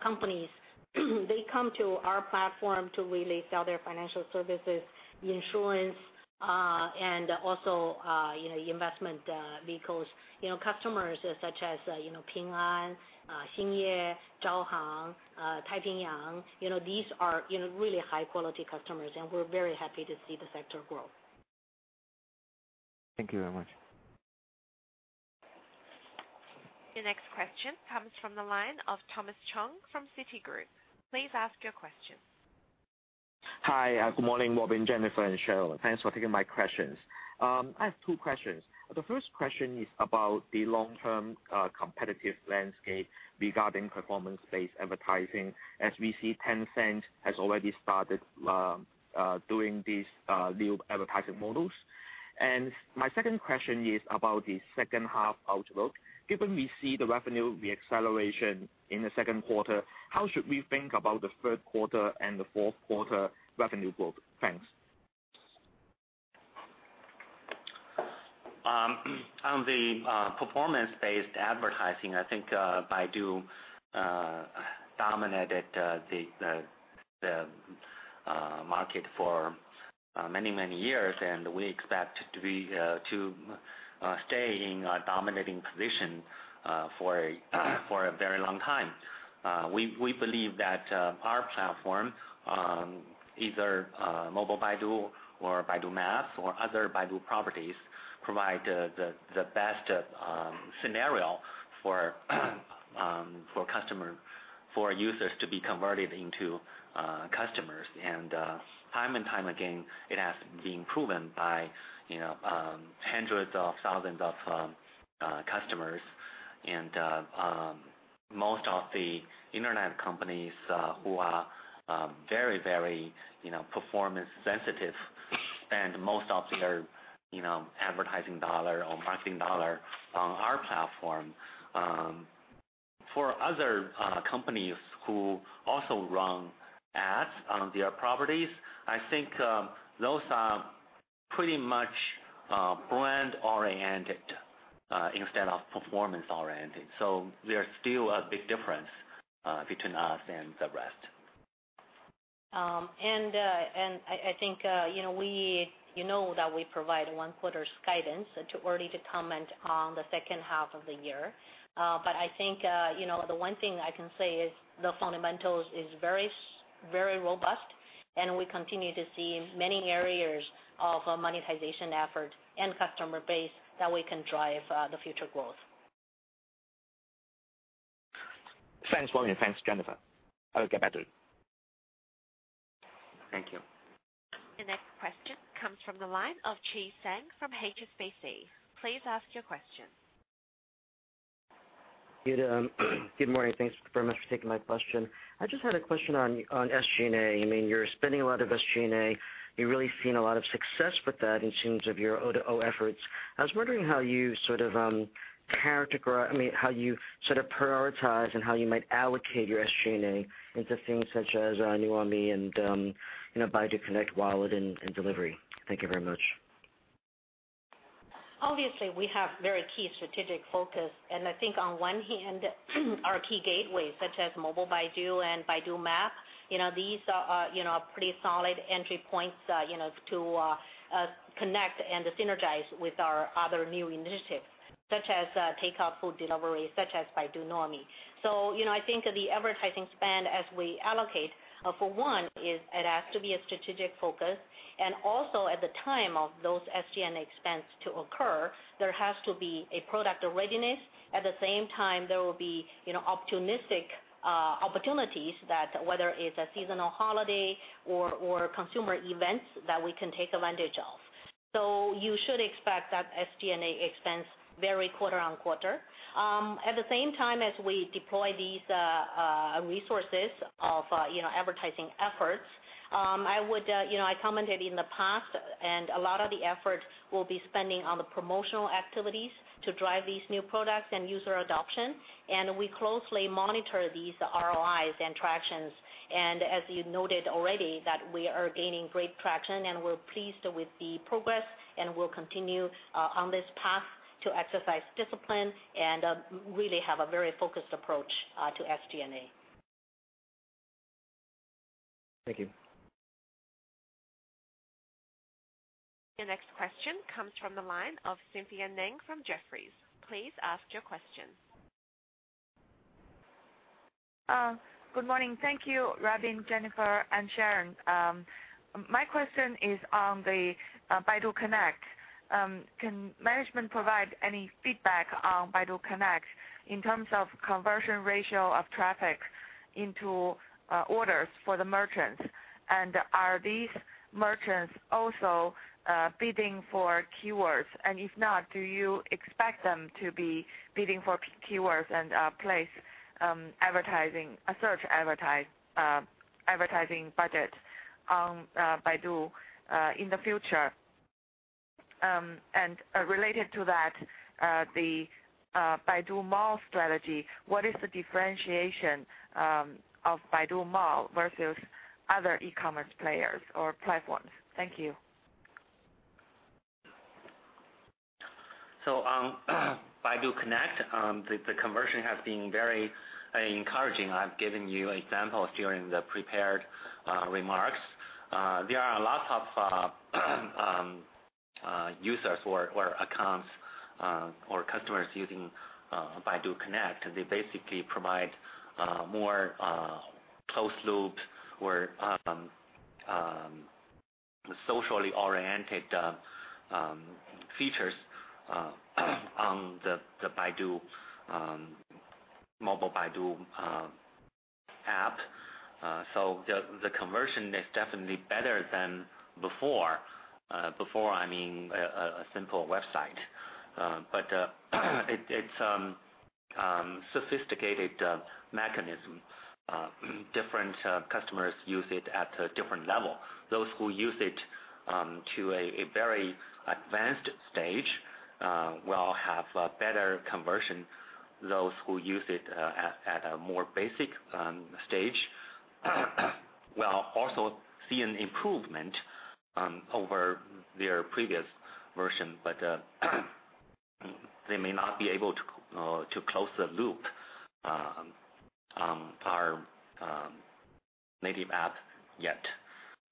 companies. They come to our platform to really sell their financial services, insurance, and also investment vehicles. Customers such as Ping An, Xingye, Zhaohang, Taipingyang, these are really high-quality customers. We're very happy to see the sector grow. Thank you very much. Your next question comes from the line of Thomas Chong from Citigroup. Please ask your question. Hi. Good morning, Robin, Jennifer, and Sharon. Thanks for taking my questions. I have two questions. The first question is about the long-term competitive landscape regarding performance-based advertising. As we see, Tencent has already started doing these new advertising models. My second question is about the second half outlook. Given we see the revenue, the acceleration in the second quarter, how should we think about the third quarter and the fourth quarter revenue growth? Thanks. On the performance-based advertising, I think Baidu dominated the market for many, many years, and we expect to stay in a dominating position for a very long time. We believe that our platform, either Baidu App or Baidu Map or other Baidu properties, provide the best scenario for users to be converted into customers. Time and time again, it has been proven by hundreds of thousands of customers and most of the internet companies who are very performance sensitive and most of their advertising dollar or marketing dollar on our platform. For other companies who also run ads on their properties, I think those are pretty much brand oriented instead of performance oriented. There's still a big difference between us and the rest. I think you know that we provide one quarter's guidance. Too early to comment on the second half of the year. I think the one thing I can say is the fundamentals is very robust, and we continue to see many areas of monetization effort and customer base that we can drive the future growth. Thanks, Robin. Thanks, Jennifer. I will get back to you Thank you. The next question comes from the line of Chi Tsang from HSBC. Please ask your question. Good morning. Thanks very much for taking my question. I just had a question on SG&A. You are spending a lot of SG&A. You are really seeing a lot of success with that in terms of your O2O efforts. I was wondering how you sort of prioritize and how you might allocate your SG&A into things such as Nuomi and Baidu Connect Wallet and delivery. Thank you very much. We have very key strategic focus, and I think on one hand, our key gateways such as Baidu App and Baidu Maps, these are pretty solid entry points to connect and synergize with our other new initiatives such as takeout food delivery, such as Baidu Nuomi. I think the advertising spend as we allocate for one is it has to be a strategic focus and also at the time of those SG&A expense to occur, there has to be a product readiness. At the same time, there will be opportunistic opportunities that whether it is a seasonal holiday or consumer events that we can take advantage of. You should expect that SG&A expense vary quarter-on-quarter. At the same time as we deploy these resources of advertising efforts, I commented in the past. A lot of the effort we will be spending on the promotional activities to drive these new products and user adoption. We closely monitor these ROIs and tractions. As you noted already that we are gaining great traction, and we are pleased with the progress, and we will continue on this path to exercise discipline and really have a very focused approach to SG&A. Thank you. Your next question comes from the line of Cynthia Meng from Jefferies. Please ask your question. Good morning. Thank you, Robin, Jennifer, and Sharon. My question is on the Baidu Connect. Can management provide any feedback on Baidu Connect in terms of conversion ratio of traffic into orders for the merchants? Are these merchants also bidding for keywords? If not, do you expect them to be bidding for keywords and place advertising budget on Baidu in the future? Related to that, the Baidu Mall strategy, what is the differentiation of Baidu Mall versus other e-commerce players or platforms? Thank you. On Baidu Connect, the conversion has been very encouraging. I've given you examples during the prepared remarks. There are a lot of users or accounts or customers using Baidu Connect. They basically provide more closed-loop or socially oriented features on the Baidu App. The conversion is definitely better than before. Before meaning a simple website. It's a sophisticated mechanism. Different customers use it at a different level. Those who use it to a very advanced stage will have a better conversion. Those who use it at a more basic stage will also see an improvement over their previous version. They may not be able to close the loop on our native app yet.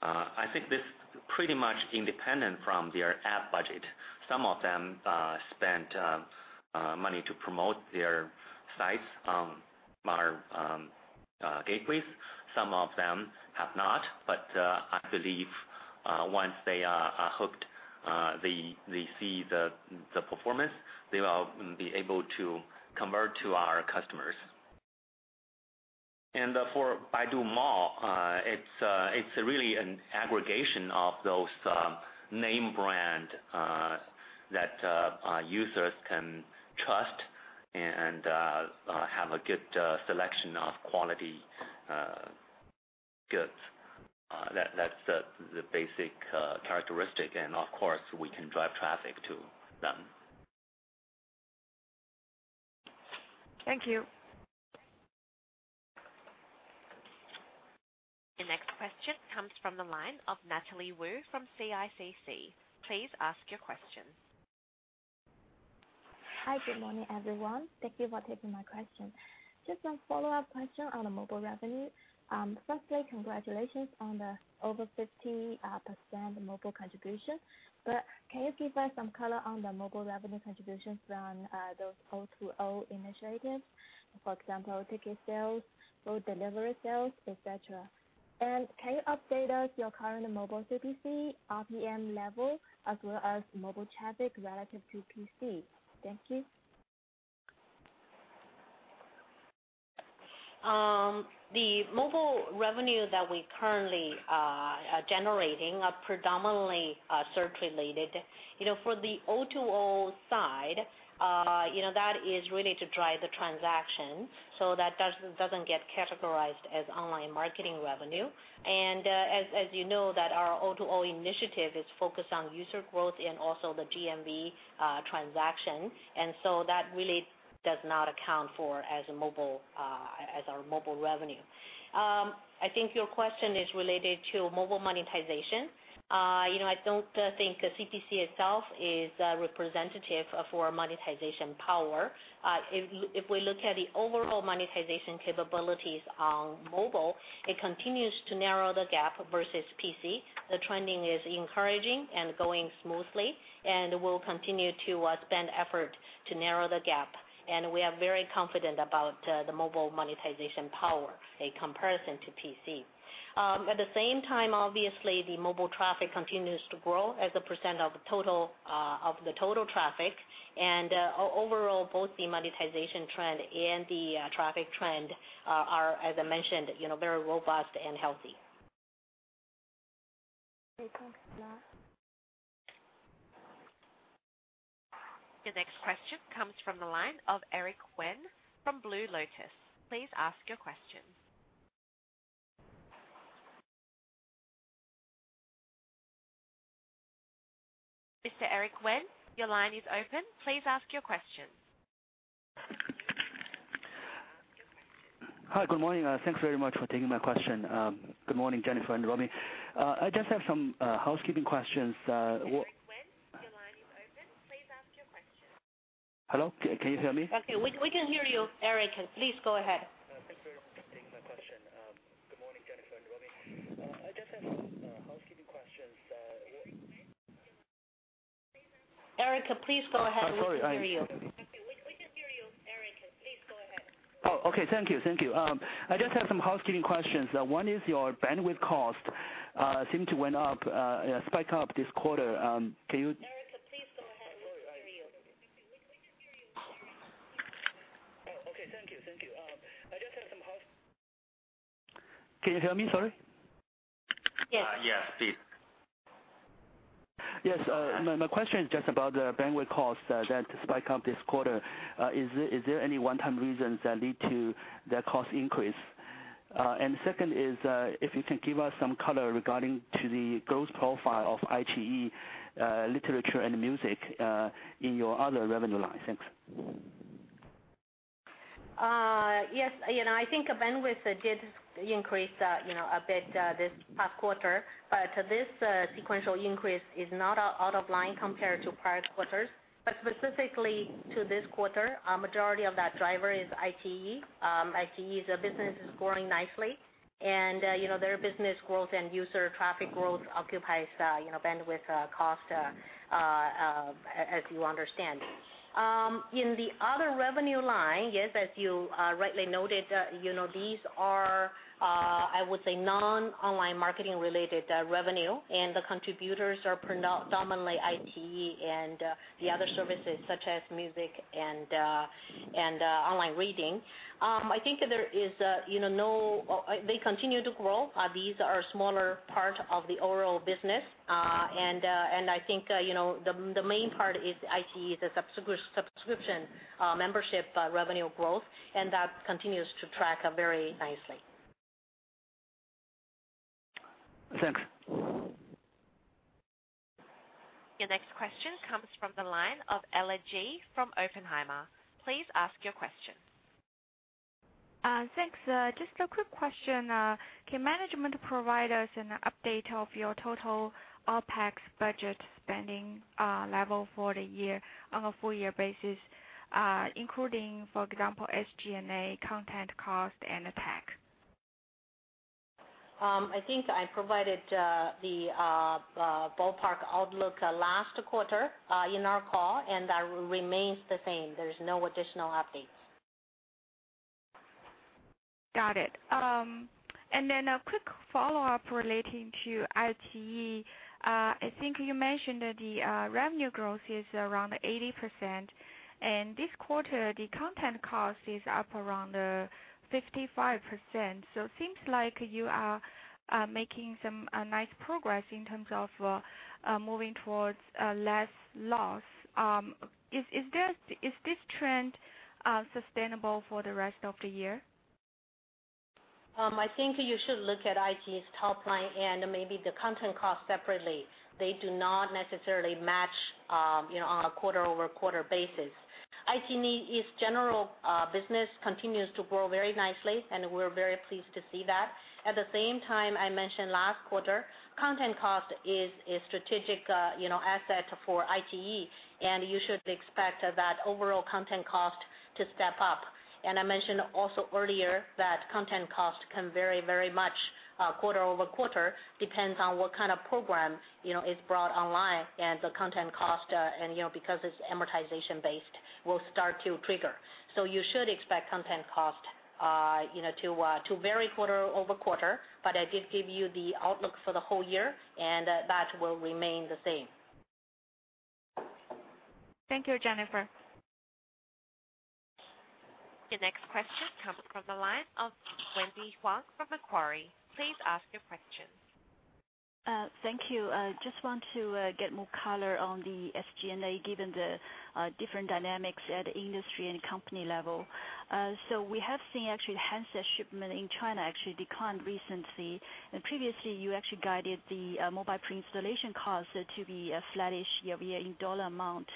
I think this pretty much independent from their app budget. Some of them spent money to promote their sites on our gateways. Some of them have not. I believe once they are hooked, they see the performance, they will be able to convert to our customers. For Baidu Mall, it's really an aggregation of those name brands that our users can trust and have a good selection of quality goods. That's the basic characteristic. Of course, we can drive traffic to them. Thank you. The next question comes from the line of Natalie Wu from CICC. Please ask your question. Hi, good morning, everyone. Thank you for taking my question. Just some follow-up question on the mobile revenue. Firstly, congratulations on the over 50% mobile contribution. Can you give us some color on the mobile revenue contributions from those O2O initiatives? For example, ticket sales, food delivery sales, et cetera. Can you update us your current mobile CPC RPM level as well as mobile traffic relative to PC? Thank you. The mobile revenue that we're currently generating are predominantly search related. For the O2O side, that is really to drive the transaction, so that doesn't get categorized as online marketing revenue. As you know, that our O2O initiative is focused on user growth and also the GMV transaction. That really does not account for as our mobile revenue. I think your question is related to mobile monetization. I don't think CPC itself is representative for monetization power. If we look at the overall monetization capabilities on mobile, it continues to narrow the gap versus PC. The trending is encouraging and going smoothly, and we'll continue to spend effort to narrow the gap. We are very confident about the mobile monetization power in comparison to PC. At the same time, obviously, the mobile traffic continues to grow as a % of the total traffic, and overall, both the monetization trend and the traffic trend are, as I mentioned, very robust and healthy. Thank you. The next question comes from the line of Eric Wen from Blue Lotus. Please ask your question. Mr. Eric Wen, your line is open. Please ask your question. Hi. Good morning. Thanks very much for taking my question. Good morning, Jennifer and Robbie. I just have some housekeeping questions. Mr. Eric Wen, your line is open. Please ask your question. Hello? Can you hear me? Okay. We can hear you, Eric. Please go ahead. Thanks very much for taking my question. Good morning, Jennifer and Robbie. I just have some housekeeping questions. Eric, please go ahead. We can hear you. Oh, sorry. We can hear you, Eric. Please go ahead. Oh, okay. Thank you. I just have some housekeeping questions. One is your bandwidth cost seemed to spike up this quarter. Can you- Eric, please go ahead. We can hear you. Oh, okay. Thank you. Can you hear me, sorry? Yes. Yes, please. Yes. My question is just about the bandwidth cost that spike up this quarter. Is there any one-time reasons that lead to that cost increase? Second is, if you can give us some color regarding to the growth profile of iQIYI literature and music in your other revenue lines. Thanks. Yes. I think bandwidth did increase a bit this past quarter. This sequential increase is not out of line compared to prior quarters. Specifically to this quarter, a majority of that driver is IQIYI. IQIYI as a business is growing nicely, and their business growth and user traffic growth occupies bandwidth cost, as you understand. In the other revenue line, yes, as you rightly noted, these are, I would say, non-online marketing related revenue, and the contributors are predominantly IQIYI and the other services such as music and online reading. I think they continue to grow. These are smaller part of the overall business. I think the main part is IQIYI, the subscription membership revenue growth, and that continues to track very nicely. Thanks. Your next question comes from the line of Ella Ji from Oppenheimer. Please ask your question. Thanks. Just a quick question. Can management provide us an update of your total OpEx budget spending level for the year on a full year basis, including, for example, SG&A, content cost, and TAC? I think I provided the ballpark outlook last quarter in our call. That remains the same. There's no additional updates. Got it. A quick follow-up relating to IQIYI. I think you mentioned that the revenue growth is around 80%, this quarter, the content cost is up around 55%. Seems like you are making some nice progress in terms of moving towards less loss. Is this trend sustainable for the rest of the year? I think you should look at IQIYI's top line and maybe the content cost separately. They do not necessarily match on a quarter-over-quarter basis. IQIYI's general business continues to grow very nicely, and we're very pleased to see that. At the same time, I mentioned last quarter, content cost is a strategic asset for IQIYI, you should expect that overall content cost to step up. I mentioned also earlier that content cost can vary very much quarter-over-quarter, depends on what kind of program is brought online, the content cost, because it's amortization based, will start to trigger. You should expect content cost to vary quarter-over-quarter, but I did give you the outlook for the whole year, that will remain the same. Thank you, Jennifer. Your next question comes from the line of Wendy Huang from Macquarie. Please ask your question. Thank you. Just want to get more color on the SG&A, given the different dynamics at industry and company level. We have seen handset shipment in China actually declined recently. Previously, you actually guided the mobile pre-installation cost to be flattish year-over-year in dollar amount.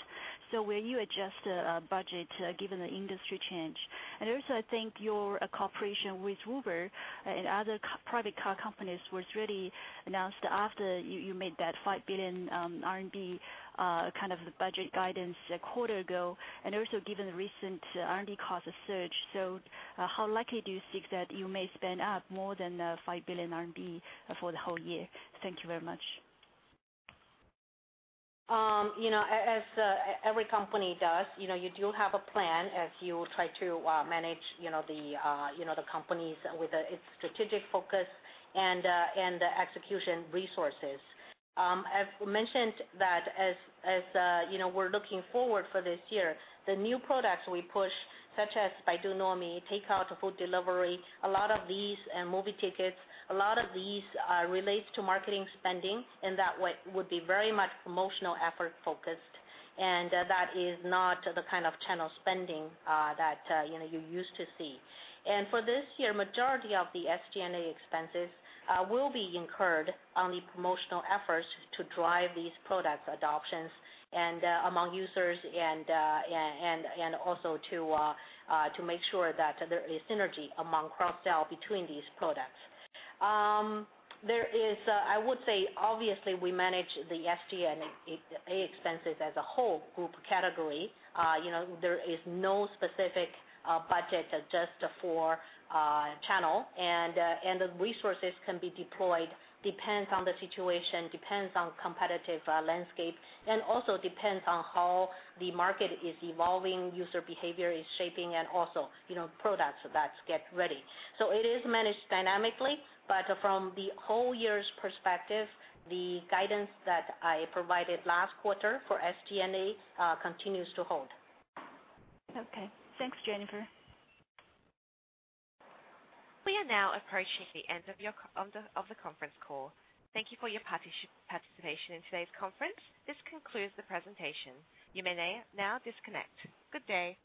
Will you adjust the budget given the industry change? I think your cooperation with Uber and other private car companies was really announced after you made that 5 billion RMB budget guidance a quarter ago, also given the recent R&D cost surge. How likely do you think that you may spend up more than 5 billion RMB for the whole year? Thank you very much. As every company does, you do have a plan as you try to manage the companies with its strategic focus and the execution resources. I've mentioned that as we're looking forward for this year, the new products we push, such as Baidu Nuomi, takeout, food delivery, and movie tickets, a lot of these relates to marketing spending, and that would be very much promotional effort focused, and that is not the kind of channel spending that you used to see. For this year, majority of the SG&A expenses will be incurred on the promotional efforts to drive these product adoptions among users and also to make sure that there is synergy among cross-sell between these products. I would say, obviously, we manage the SG&A expenses as a whole group category. There is no specific budget just for channel, and the resources can be deployed depends on the situation, depends on competitive landscape, and also depends on how the market is evolving, user behavior is shaping, and also products that get ready. It is managed dynamically, but from the whole year's perspective, the guidance that I provided last quarter for SG&A continues to hold. Okay. Thanks, Jennifer. We are now approaching the end of the conference call. Thank you for your participation in today's conference. This concludes the presentation. You may now disconnect. Good day